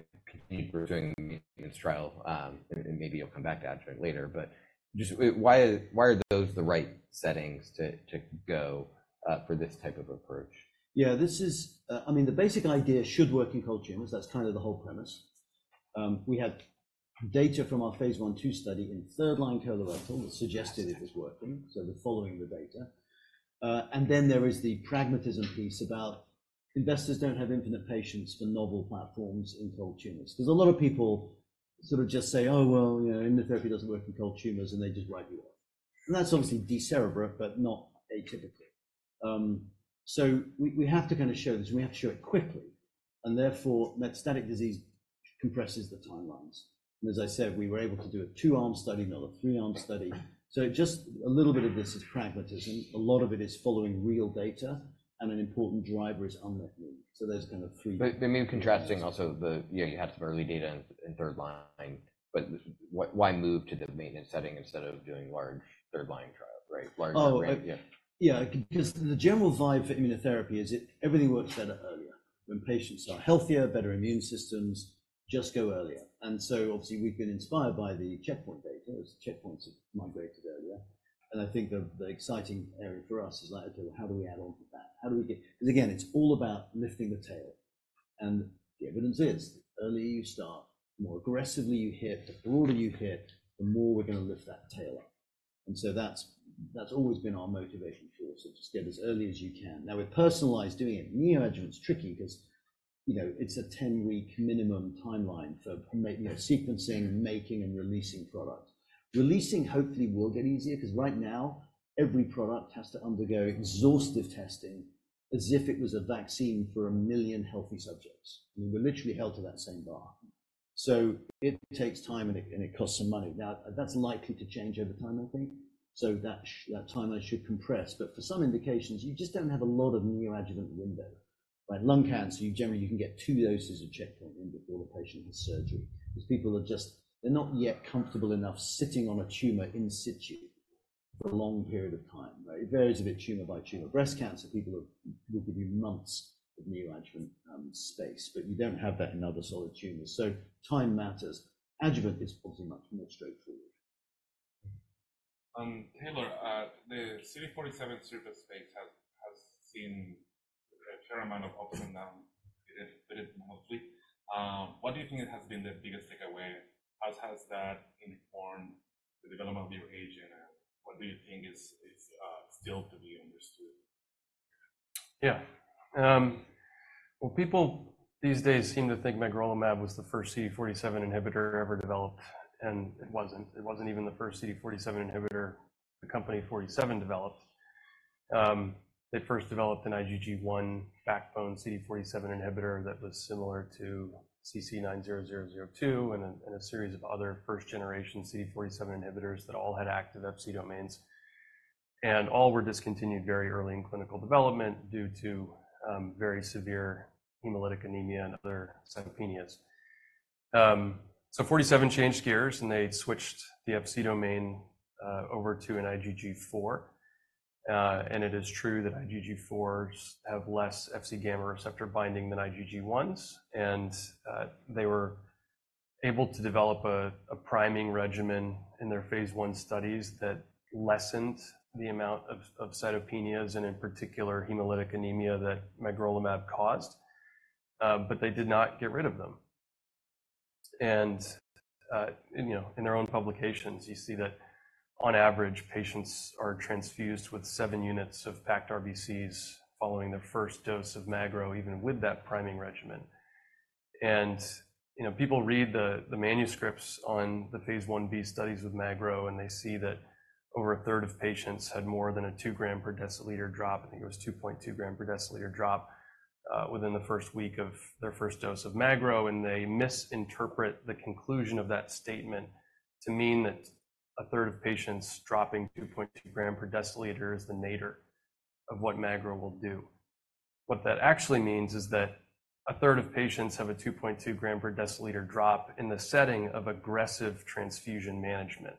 maybe you'll come back to adjuvant later. But just why are those the right settings to go for this type of approach? Yeah, this is. I mean, the basic idea should work in cold tumors. That's kind of the whole premise. We had data from our phase I/II study in third-line colorectal that suggested it was working. So we're following the data. And then there is the pragmatism piece about investors don't have infinite patience for novel platforms in cold tumors, because a lot of people sort of just say, oh, well, immunotherapy doesn't work in cold tumors. And they just write you off. And that's obviously decerebrate, but not atypical. So we have to kind of show this. And we have to show it quickly. And therefore, metastatic disease compresses the timelines. And as I said, we were able to do a two-arm study, not a three-arm study. So just a little bit of this is pragmatism. A lot of it is following real data. An important driver is unmet needs. There's kind of three. But maybe contrasting also, you had some early data in third-line. But why move to the maintenance setting instead of doing large third-line trials, right? Larger range. Oh, yeah. Yeah, because the general vibe for immunotherapy is everything works better earlier. When patients are healthier, better immune systems just go earlier. And so obviously, we've been inspired by the checkpoint data. The checkpoints have migrated earlier. And I think the exciting area for us is like, OK, well, how do we add on to that? How do we get, because again, it's all about lifting the tail. And the evidence is, the earlier you start, the more aggressively you hit, the broader you hit, the more we're going to lift that tail up. And so that's always been our motivation for us, is just get as early as you can. Now, with personalized doing it, neoadjuvant's tricky, because it's a 10-week minimum timeline for sequencing, making, and releasing products. Releasing, hopefully, will get easier, because right now, every product has to undergo exhaustive testing as if it was a vaccine for 1 million healthy subjects. And we're literally held to that same bar. So it takes time. And it costs some money. Now, that's likely to change over time, I think. So that timeline should compress. But for some indications, you just don't have a lot of neoadjuvant window, right? Lung cancer, generally, you can get 2 doses of checkpoint in before the patient has surgery, because people are not yet comfortable enough sitting on a tumor in situ for a long period of time, right? It varies a bit tumor by tumor. Breast cancer, people will give you months of neoadjuvant space. But you don't have that in other solid tumors. So time matters. Adjuvant is obviously much more straightforward. Taylor, the CD47 space has seen a fair amount of ups and downs with it mostly. What do you think has been the biggest takeaway? How has that informed the development of your agent? And what do you think is still to be understood? Yeah. Well, people these days seem to think magrolimab was the first CD47 inhibitor ever developed. It wasn't. It wasn't even the first CD47 inhibitor the company Forty Seven developed. They first developed an IgG1 backbone CD47 inhibitor that was similar to CC90002 and a series of other first-generation CD47 inhibitors that all had active FC domains. All were discontinued very early in clinical development due to very severe hemolytic anemia and other cytopenias. Forty Seven changed gears. They switched the FC domain over to an IgG4. It is true that IgG4s have less FC gamma receptor binding than IgG1s. They were able to develop a priming regimen in their phase I studies that lessened the amount of cytopenias and, in particular, hemolytic anemia that magrolimab caused. They did not get rid of them. In their own publications, you see that, on average, patients are transfused with 7 units of packed RBCs following their first dose of magrolimab, even with that priming regimen. People read the manuscripts on the phase I/B studies with magrolimab. They see that over a third of patients had more than a 2 gram per deciliter drop. I think it was a 2.2 gram per deciliter drop within the first week of their first dose of magrolimab. They misinterpret the conclusion of that statement to mean that a third of patients dropping 2.2 gram per deciliter is the nature of what magrolimab will do. What that actually means is that a third of patients have a 2.2 gram per deciliter drop in the setting of aggressive transfusion management,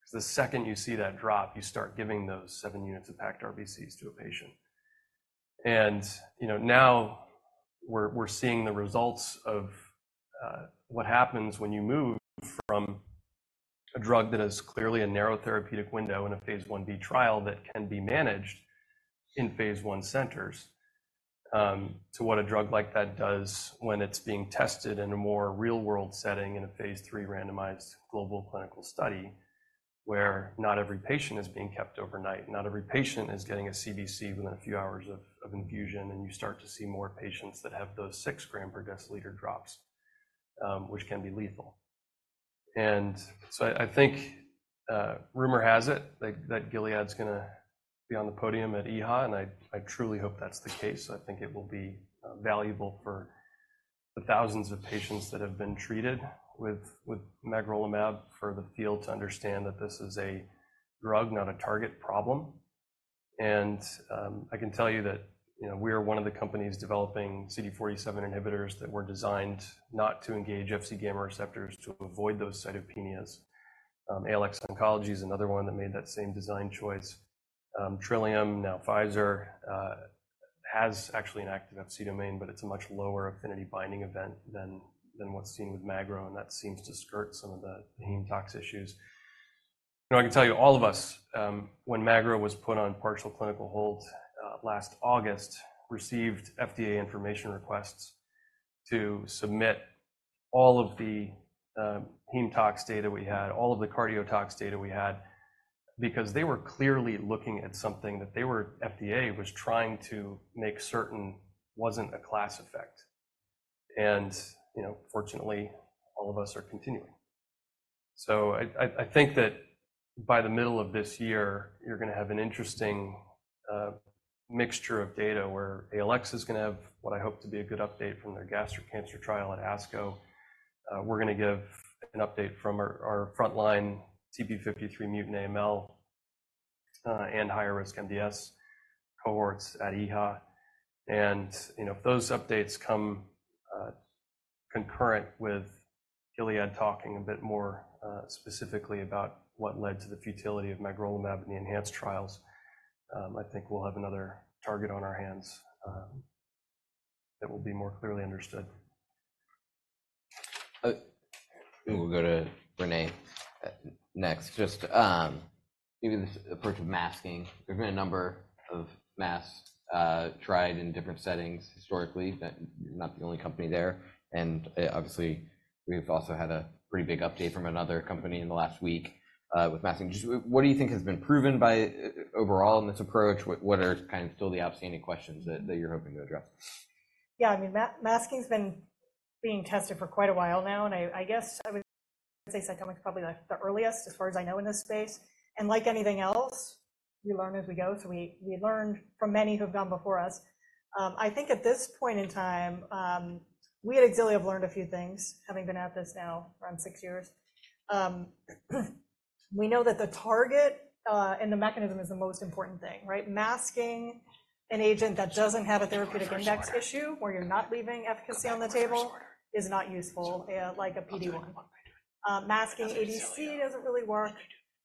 because the second you see that drop, you start giving those 7 units of packed RBCs to a patient. And now, we're seeing the results of what happens when you move from a drug that is clearly a narrow therapeutic window in a phase I/B trial that can be managed in phase I centers to what a drug like that does when it's being tested in a more real-world setting in a phase III randomized global clinical study, where not every patient is being kept overnight. Not every patient is getting a CBC within a few hours of infusion. And you start to see more patients that have those 6 gram per deciliter drops, which can be lethal. So I think rumor has it that Gilead's going to be on the podium at EHA. I truly hope that's the case. I think it will be valuable for the thousands of patients that have been treated with magrolimab for the field to understand that this is a drug, not a target problem. I can tell you that we are one of the companies developing CD47 inhibitors that were designed not to engage FC gamma receptors to avoid those cytopenias. ALX Oncology is another one that made that same design choice. Trillium, now Pfizer, has actually an active FC domain. But it's a much lower affinity binding event than what's seen with magro. And that seems to skirt some of the heme tox issues. I can tell you, all of us, when magrolimab was put on partial clinical hold last August, received FDA information requests to submit all of the heme tox data we had, all of the cardiotox data we had, because they were clearly looking at something that FDA was trying to make certain wasn't a class effect. Fortunately, all of us are continuing. I think that, by the middle of this year, you're going to have an interesting mixture of data, where ALX is going to have what I hope to be a good update from their gastric cancer trial at ASCO. We're going to give an update from our frontline TP53 mutant AML and higher risk MDS cohorts at EHA. If those updates come concurrent with Gilead talking a bit more specifically about what led to the futility of magrolimab and the ENHANCE trials, I think we'll have another target on our hands that will be more clearly understood. We'll go to René next, just maybe this approach of masking. There's been a number of masks tried in different settings historically. You're not the only company there. And obviously, we've also had a pretty big update from another company in the last week with masking. What do you think has been proven by overall in this approach? What are kind of still the outstanding questions that you're hoping to address? Yeah, I mean, masking's been being tested for quite a while now. I guess I would say CytomX is probably the earliest, as far as I know, in this space. Like anything else, we learn as we go. We learned from many who've gone before us. I think, at this point in time, we at Xilio have learned a few things, having been at this now around six years. We know that the target and the mechanism is the most important thing, right? Masking an agent that doesn't have a therapeutic index issue, where you're not leaving efficacy on the table, is not useful, like a PD-1. Masking ADC doesn't really work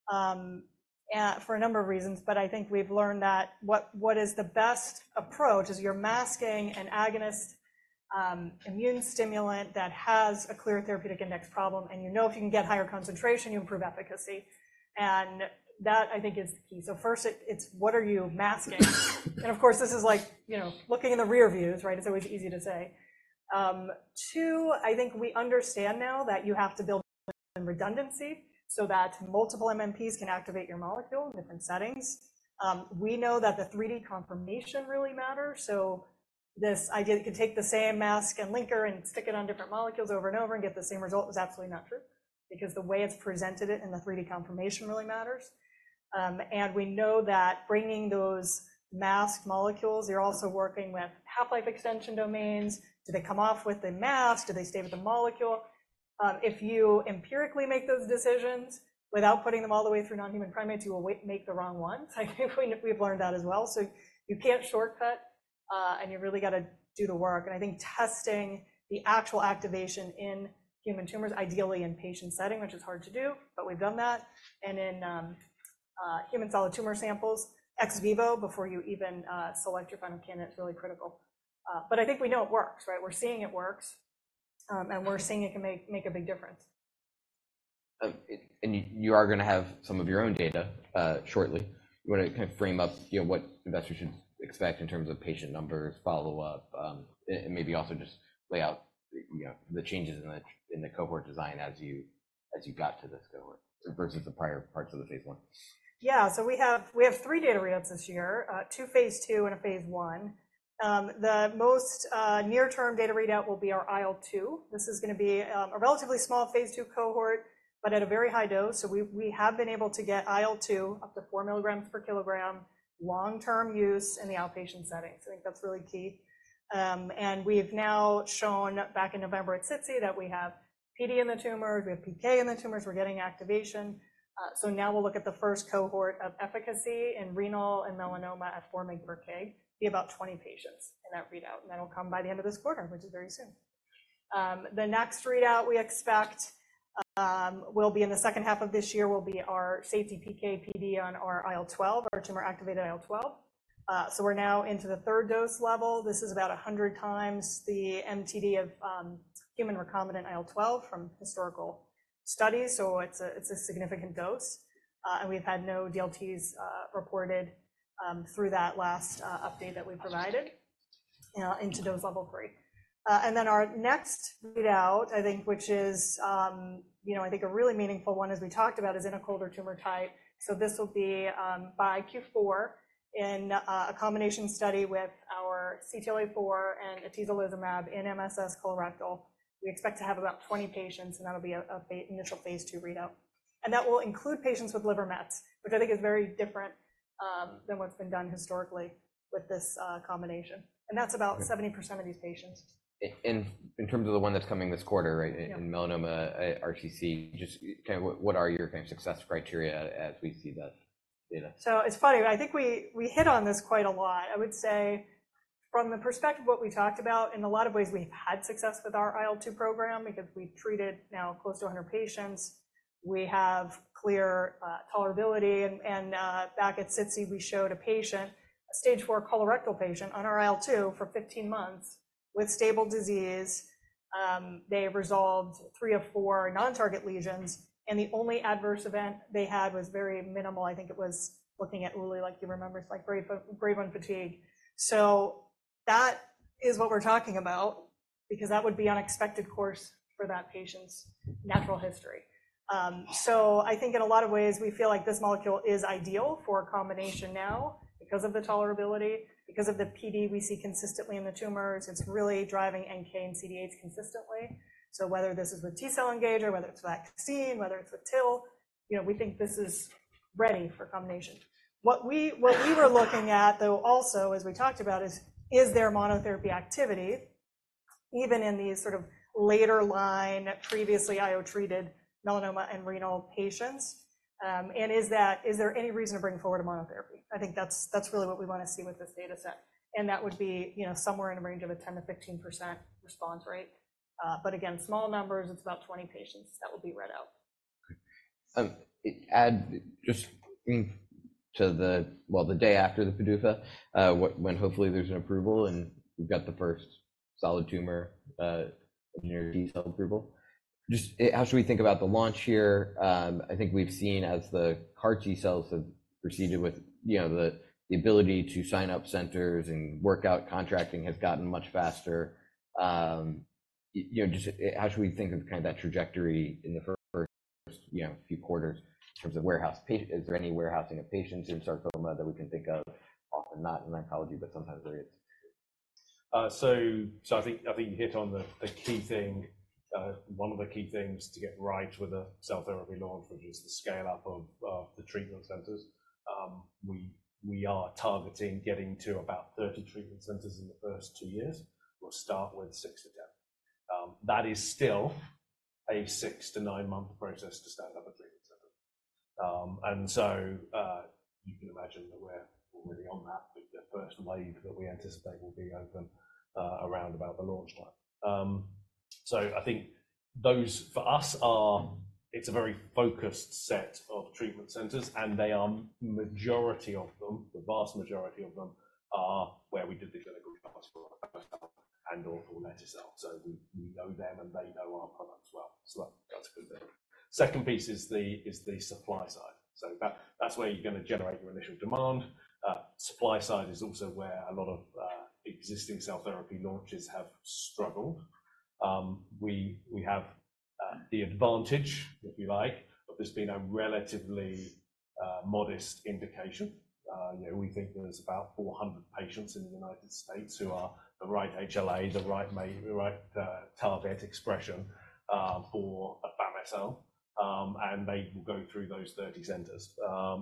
for a number of reasons. But I think we've learned that what is the best approach is you're masking an agonist immune stimulant that has a clear therapeutic index problem. And you know if you can get higher concentration, you improve efficacy. And that, I think, is the key. So first, it's what are you masking? And of course, this is like looking in the rearview mirror, right? It's always easy to say. Two, I think we understand now that you have to build redundancy so that multiple MMPs can activate your molecule in different settings. We know that the 3D conformation really matters. So this idea that you could take the same mask and linker and stick it on different molecules over and over and get the same result is absolutely not true, because the way it's presented in the 3D conformation really matters. And we know that bringing those masked molecules, you're also working with half-life extension domains. Do they come off with the mask? Do they stay with the molecule? If you empirically make those decisions without putting them all the way through non-human primates, you will make the wrong ones. I think we've learned that as well. So you can't shortcut. And you really got to do the work. And I think testing the actual activation in human tumors, ideally in patient setting, which is hard to do, but we've done that, and in human solid tumor samples ex vivo before you even select your final candidate is really critical. But I think we know it works, right? We're seeing it works. And we're seeing it can make a big difference. You are going to have some of your own data shortly. You want to kind of frame up what investors should expect in terms of patient numbers, follow-up, and maybe also just lay out the changes in the cohort design as you got to this cohort versus the prior parts of the phase I? Yeah, so we have 3 data readouts this year, 2 phase II and a phase I. The most near-term data readout will be our IL-2. This is going to be a relatively small phase II cohort, but at a very high dose. So we have been able to get IL-2, up to 4 milligrams per kilogram, long-term use in the outpatient setting. So I think that's really key. And we have now shown, back in November at SITC, that we have PD in the tumors. We have PK in the tumors. We're getting activation. So now we'll look at the first cohort of efficacy in renal and melanoma at 4 mg per kg, be about 20 patients in that readout. And that'll come by the end of this quarter, which is very soon. The next readout we expect will be in the H2 of this year, will be our safety PK/PD on our IL-12, our tumor-activated IL-12. So we're now into the third dose level. This is about 100 times the MTD of human recombinant IL-12 from historical studies. So it's a significant dose. And we've had no DLTs reported through that last update that we provided into dose level three. And then our next readout, I think, which is, I think, a really meaningful one, as we talked about, is in a colder tumor type. So this will be by Q4 in a combination study with our CTLA-4 and atezolizumab in MSS colorectal. We expect to have about 20 patients. And that'll be an initial phase II readout. And that will include patients with liver mets, which I think is very different than what's been done historically with this combination. That's about 70% of these patients. In terms of the one that's coming this quarter, right, in melanoma RTC, just kind of what are your kind of success criteria as we see that data? So it's funny. I think we hit on this quite a lot. I would say, from the perspective of what we talked about, in a lot of ways, we've had success with our IL-2 program, because we've treated now close to 100 patients. We have clear tolerability. And back at SITC, we showed a patient, a stage IV colorectal patient, on our IL-2 for 15 months with stable disease. They resolved 3 of 4 non-target lesions. And the only adverse event they had was very minimal. I think it was looking at Uli, like you remember, it's like grade 1 fatigue. So that is what we're talking about, because that would be unexpected course for that patient's natural history. So I think, in a lot of ways, we feel like this molecule is ideal for a combination now because of the tolerability, because of the PD we see consistently in the tumors. It's really driving NK and CD8s consistently. So whether this is with T-cell engager, whether it's vaccine, whether it's with TIL, we think this is ready for combination. What we were looking at, though, also, as we talked about, is, is there monotherapy activity, even in these sort of later line, previously IO treated melanoma and renal patients? And is there any reason to bring forward a monotherapy? I think that's really what we want to see with this data set. And that would be somewhere in the range of a 10%-15% response rate. But again, small numbers. It's about 20 patients that will be read out. And just to the, well, the day after the PDUFA, when, hopefully, there's an approval and we've got the first solid tumor T-cell approval, just how should we think about the launch here? I think we've seen, as the CAR T-cells have proceeded with the ability to sign up centers and work out contracting has gotten much faster, just how should we think of kind of that trajectory in the first few quarters in terms of warehousing? Is there any warehousing of patients in sarcoma that we can think of? Often not in oncology, but sometimes there is. So I think you hit on the key thing, one of the key things to get right with a cell therapy launch, which is the scale-up of the treatment centers. We are targeting getting to about 30 treatment centers in the first two years. We'll start with 6-10. That is still a 6-9-month process to stand up a treatment center. And so you can imagine that we're already on that. The first wave that we anticipate will be open around about the launch time. So I think those, for us, are. It's a very focused set of treatment centers. And the majority of them, the vast majority of them, are where we did the clinical trials for our first T-cell and/or for metastasis. So we know them. And they know our products well. So that's a good thing. Second piece is the supply side. So that's where you're going to generate your initial demand. Supply side is also where a lot of existing cell therapy launches have struggled. We have the advantage, if you like, of this being a relatively modest indication. We think there's about 400 patients in the United States who are the right HLA, the right target expression for afami-cel. And they will go through those 30 centers.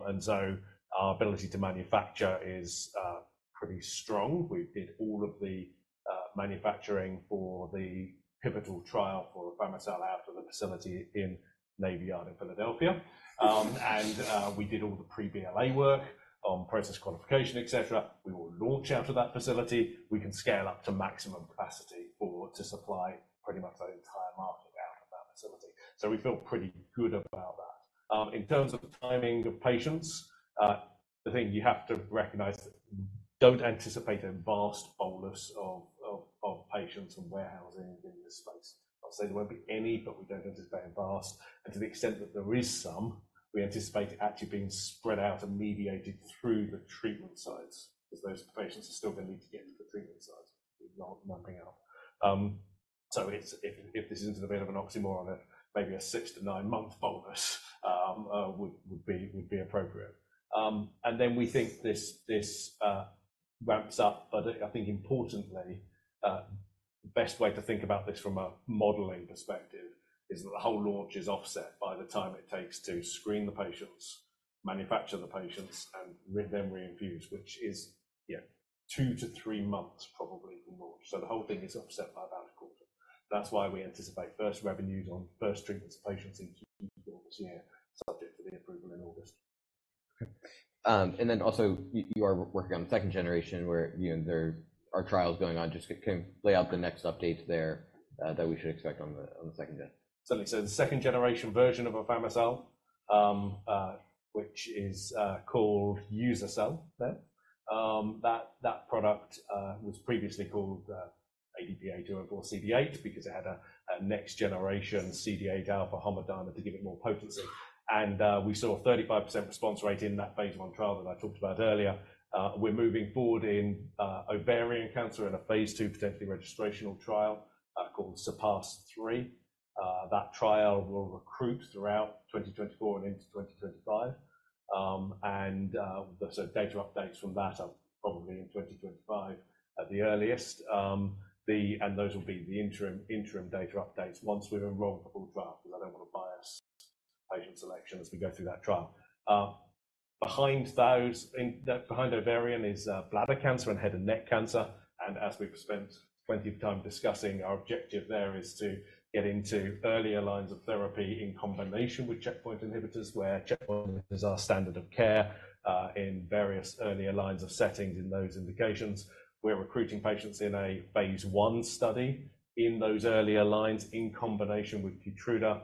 And so our ability to manufacture is pretty strong. We did all of the manufacturing for the pivotal trial for afami-cel out of the facility in Navy Yard in Philadelphia. And we did all the pre-BLA work on process qualification, et cetera. We will launch out of that facility. We can scale up to maximum capacity to supply pretty much the entire market out of that facility. So we feel pretty good about that. In terms of timing of patients, the thing you have to recognize is don't anticipate a vast bolus of patients and warehousing in this space. I'll say there won't be any, but we don't anticipate a vast. To the extent that there is some, we anticipate it actually being spread out and mediated through the treatment sites, because those patients are still going to need to get to the treatment sites, mapping out. So if this isn't to the bit of an oxymoron, maybe a 6-9-month bolus would be appropriate. Then we think this ramps up. But I think, importantly, the best way to think about this from a modeling perspective is that the whole launch is offset by the time it takes to screen the patients, manufacture the patients, and then reinfuse, which is 2-3 months, probably, from launch. So the whole thing is offset by about a quarter. That's why we anticipate first revenues on first treatments of patients in Q4 this year, subject to the approval in August. Then also, you are working on the second generation, where there are trials going on. Just kind of lay out the next updates there that we should expect on the second day. Certainly. So the second generation version of uza-cel, which is called uza-cel there, that product was previously called ADP-A2M4CD8, because it had a next generation CD8 alpha homodimer to give it more potency. We saw a 35% response rate in that phase I trial that I talked about earlier. We're moving forward in ovarian cancer in a phase II, potentially registrational trial called SURPASS-3. That trial will recruit throughout 2024 and into 2025. Data updates from that are probably in 2025 at the earliest. Those will be the interim data updates once we've enrolled the full trial, because I don't want to bias patient selection as we go through that trial. Behind ovarian is bladder cancer and head and neck cancer. As we've spent plenty of time discussing, our objective there is to get into earlier lines of therapy in combination with checkpoint inhibitors, where checkpoints are standard of care in various earlier lines of settings in those indications. We're recruiting patients in a phase I study in those earlier lines in combination with Keytruda.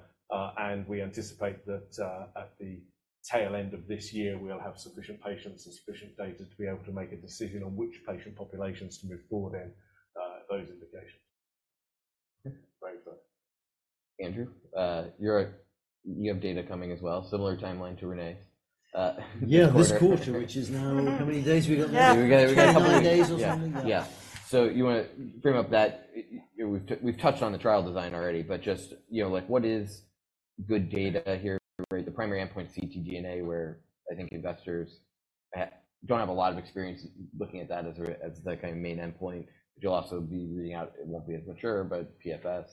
We anticipate that at the tail end of this year, we'll have sufficient patients and sufficient data to be able to make a decision on which patient populations to move forward in those indications. Andrew, you have data coming as well, similar timeline to René's. Yeah, this quarter, which is now how many days we got left? We got a couple of days or something? Yeah. You want to frame up that. We've touched on the trial design already. Just what is good data here? The primary endpoint, ctDNA, where I think investors don't have a lot of experience looking at that as the kind of main endpoint, but you'll also be reading out it won't be as mature, but PFS.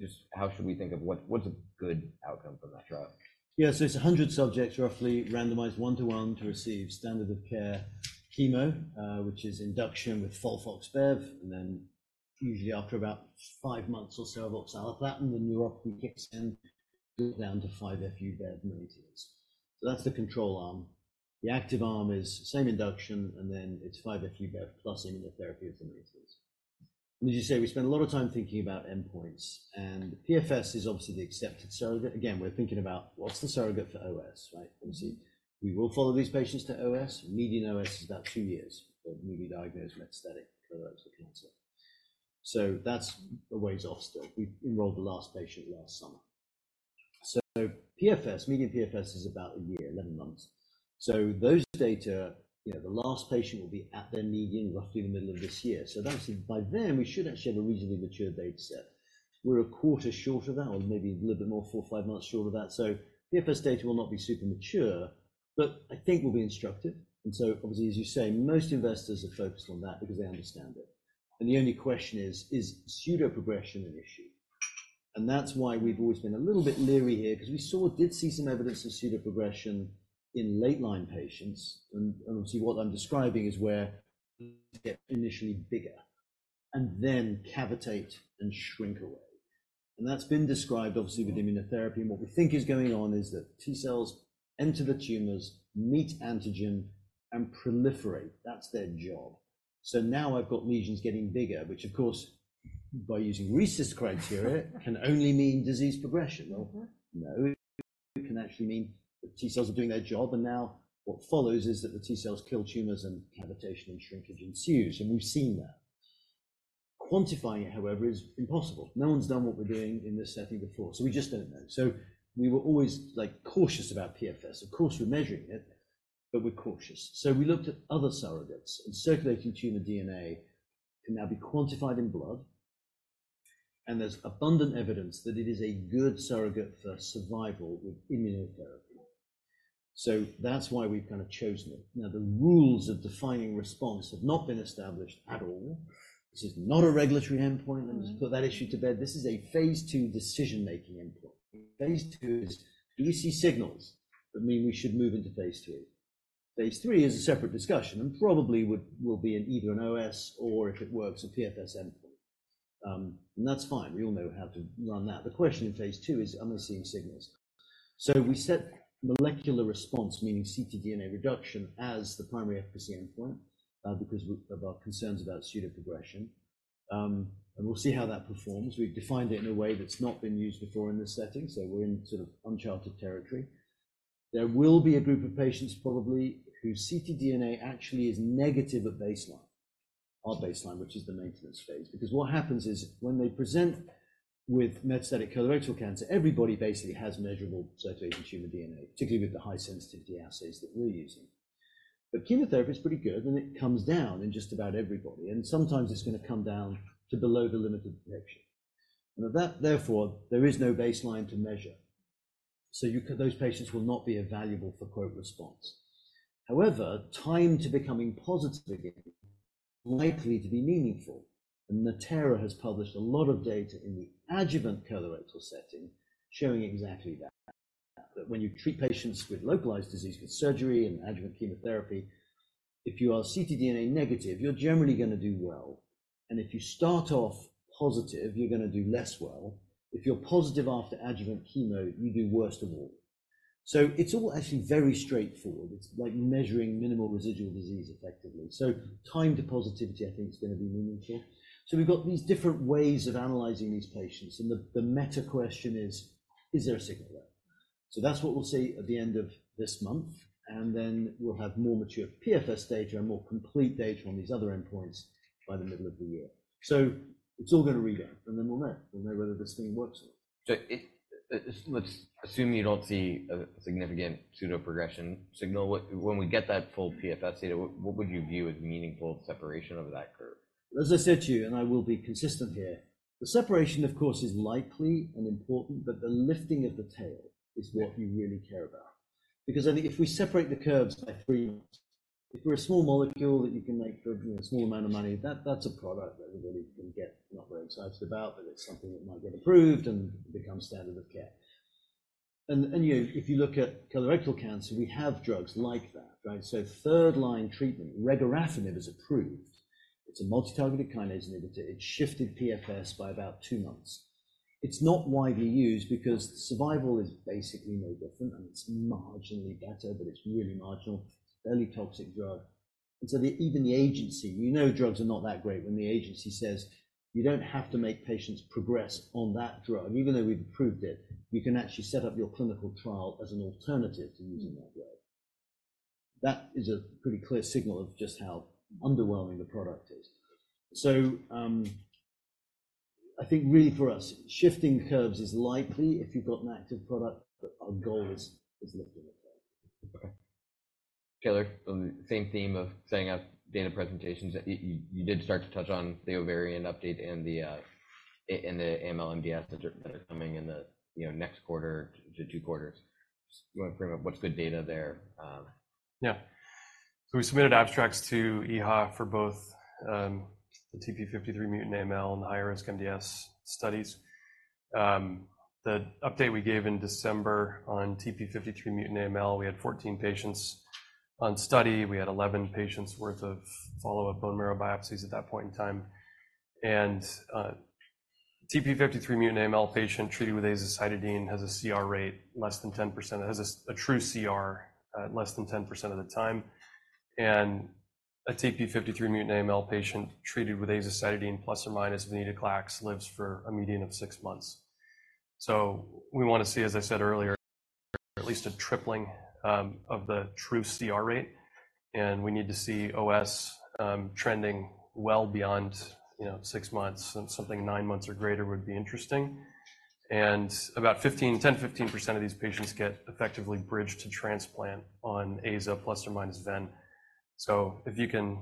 Just how should we think of what's a good outcome from that trial? Yeah, so it's 100 subjects, roughly randomized 1:1 to receive standard of care chemo, which is induction with FOLFOX-BEV. And then usually, after about 5 months or so of oxaliplatin, the neuropathy kicks in down to 5-FU-BEV maintenance. So that's the control arm. The active arm is same induction. And then it's 5-FU-BEV plus immunotherapy of the maintenance. And as you say, we spend a lot of time thinking about endpoints. And PFS is obviously the accepted surrogate. Again, we're thinking about, what's the surrogate for OS, right? Obviously, we will follow these patients to OS. Median OS is about 2 years for newly diagnosed metastatic colorectal cancer. So that's a ways off still. We enrolled the last patient last summer. So median PFS is about 1 year, 11 months. So those data, the last patient will be at their median roughly in the middle of this year. So obviously, by then, we should actually have a reasonably mature data set. We're a quarter short of that, or maybe a little bit more, 4 or 5 months short of that. So PFS data will not be super mature, but I think we'll be instructive. And so obviously, as you say, most investors are focused on that because they understand it. And the only question is, is pseudoprogression an issue? And that's why we've always been a little bit leery here, because we did see some evidence of pseudoprogression in late-line patients. And obviously, what I'm describing is where they get initially bigger and then cavitate and shrink away. And that's been described, obviously, with immunotherapy. And what we think is going on is that T-cells enter the tumors, meet antigen, and proliferate. That's their job. So now I've got lesions getting bigger, which, of course, by using RECIST criteria, can only mean disease progression. Well, no. It can actually mean the T-cells are doing their job. And now what follows is that the T-cells kill tumors, and cavitation, and shrinkage ensues. And we've seen that. Quantifying it, however, is impossible. No one's done what we're doing in this setting before. So we just don't know. So we were always cautious about PFS. Of course, we're measuring it, but we're cautious. So we looked at other surrogates. And circulating tumor DNA can now be quantified in blood. And there's abundant evidence that it is a good surrogate for survival with immunotherapy. So that's why we've kind of chosen it. Now, the rules of defining response have not been established at all. This is not a regulatory endpoint. Let me just put that issue to bed. This is a phase II decision-making endpoint. Phase II is, do we see signals that mean we should move into phase III? Phase III is a separate discussion and probably will be either an OS or, if it works, a PFS endpoint. That's fine. We all know how to run that. The question in phase II is, are we seeing signals? We set molecular response, meaning ctDNA reduction, as the primary efficacy endpoint because of our concerns about pseudoprogression. We'll see how that performs. We've defined it in a way that's not been used before in this setting. We're in sort of uncharted territory. There will be a group of patients, probably, whose ctDNA actually is negative at baseline, our baseline, which is the maintenance phase. Because what happens is, when they present with metastatic colorectal cancer, everybody basically has measurable circulating tumor DNA, particularly with the high-sensitivity assays that we're using. But chemotherapy is pretty good. And it comes down in just about everybody. And sometimes, it's going to come down to below the limit of detection. And therefore, there is no baseline to measure. So those patients will not be evaluable for response. However, time to becoming positive again is likely to be meaningful. And Natera has published a lot of data in the adjuvant colorectal setting showing exactly that, that when you treat patients with localized disease with surgery and adjuvant chemotherapy, if you are ctDNA negative, you're generally going to do well. And if you start off positive, you're going to do less well. If you're positive after adjuvant chemo, you do worst of all. So it's all actually very straightforward. It's like measuring minimal residual disease, effectively. So time to positivity, I think, is going to be meaningful. So we've got these different ways of analyzing these patients. And the meta question is, is there a signal there? So that's what we'll see at the end of this month. And then we'll have more mature PFS data and more complete data on these other endpoints by the middle of the year. So it's all going to rebound. And then we'll know. We'll know whether this thing works or not. Let's assume you don't see a significant pseudoprogression signal. When we get that full PFS data, what would you view as meaningful separation over that curve? As I said to you, and I will be consistent here, the separation, of course, is likely and important. But the lifting of the tail is what you really care about. Because I think if we separate the curves by three months, if we're a small molecule that you can make for a small amount of money, that's a product that everybody can get not very excited about, but it's something that might get approved and become standard of care. And if you look at colorectal cancer, we have drugs like that, right? So third-line treatment, regorafenib, is approved. It's a multitargeted kinase inhibitor. It shifted PFS by about two months. It's not widely used because survival is basically no different. And it's marginally better. But it's really marginal. It's a fairly toxic drug. And so even the agency, you know, drugs are not that great when the agency says, you don't have to make patients progress on that drug. Even though we've approved it, you can actually set up your clinical trial as an alternative to using that drug. That is a pretty clear signal of just how underwhelming the product is. So I think, really, for us, shifting curves is likely if you've got an active product. But our goal is lifting the tail. Taylor, on the same theme of setting up data presentations, you did start to touch on the ovarian update and the AML/MDS that are coming in the next quarter to two quarters. Just want to frame up what's good data there. Yeah. So we submitted abstracts to EHA for both the TP53 mutant AML and the higher-risk MDS studies. The update we gave in December on TP53 mutant AML, we had 14 patients on study. We had 11 patients' worth of follow-up bone marrow biopsies at that point in time. And TP53 mutant AML patient treated with azacitidine has a CR rate less than 10%. It has a true CR less than 10% of the time. And a TP53 mutant AML patient treated with azacitidine, plus or minus venetoclax, lives for a median of 6 months. So we want to see, as I said earlier, at least a tripling of the true CR rate. And we need to see OS trending well beyond 6 months. Something 9 months or greater would be interesting. And about 10%-15% of these patients get effectively bridged to transplant on AZA, plus or minus VEN. So if you can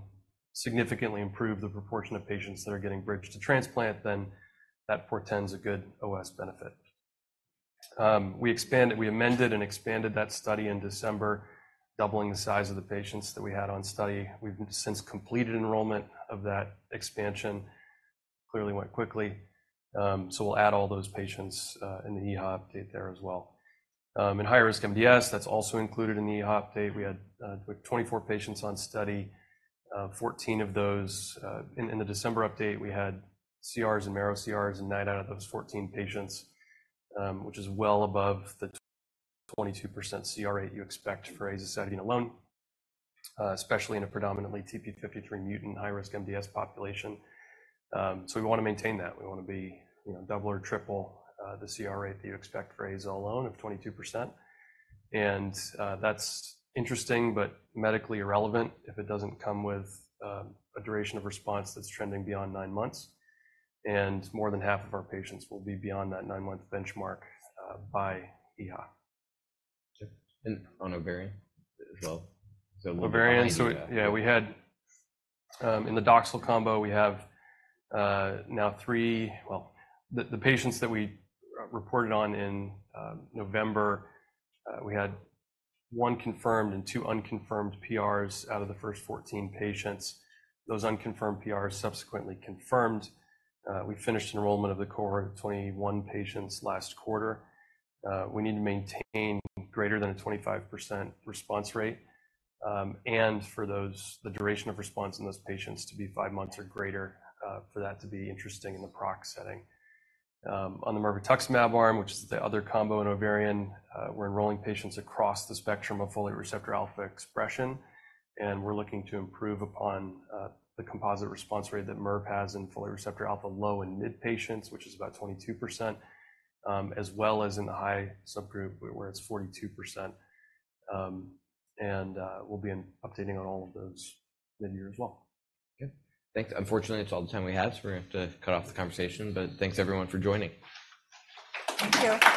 significantly improve the proportion of patients that are getting bridged to transplant, then that portends a good OS benefit. We amended and expanded that study in December, doubling the size of the patients that we had on study. We've since completed enrollment of that expansion. Clearly, went quickly. So we'll add all those patients in the EHA update there as well. In higher-risk MDS, that's also included in the EHA update. We had 24 patients on study, 14 of those in the December update. We had CRs and marrow CRs in nine out of those 14 patients, which is well above the 22% CR rate you expect for azacitidine alone, especially in a predominantly TP53 mutant high-risk MDS population. So we want to maintain that. We want to be double or triple the CR rate that you expect for AZA alone of 22%. That's interesting but medically irrelevant if it doesn't come with a duration of response that's trending beyond nine months. More than half of our patients will be beyond that nine-month benchmark by EHA. And on ovarian as well? Ovarian. So yeah, in the Doxil combo, we have now three, the patients that we reported on in November, we had 1 confirmed and 2 unconfirmed PRs out of the first 14 patients. Those unconfirmed PRs subsequently confirmed. We finished enrollment of the cohort of 21 patients last quarter. We need to maintain greater than a 25% response rate. And for the duration of response in those patients to be 5 months or greater, for that to be interesting in the PROC setting. On the mirvetuximab arm, which is the other combo in ovarian, we're enrolling patients across the spectrum of folate receptor alpha expression. And we're looking to improve upon the composite response rate that MIRV has in folate receptor alpha low and mid patients, which is about 22%, as well as in the high subgroup, where it's 42%. We'll be updating on all of those mid-year as well. Good. Thanks. Unfortunately, it's all the time we have. So we're going to have to cut off the conversation. But thanks, everyone, for joining. Thank you.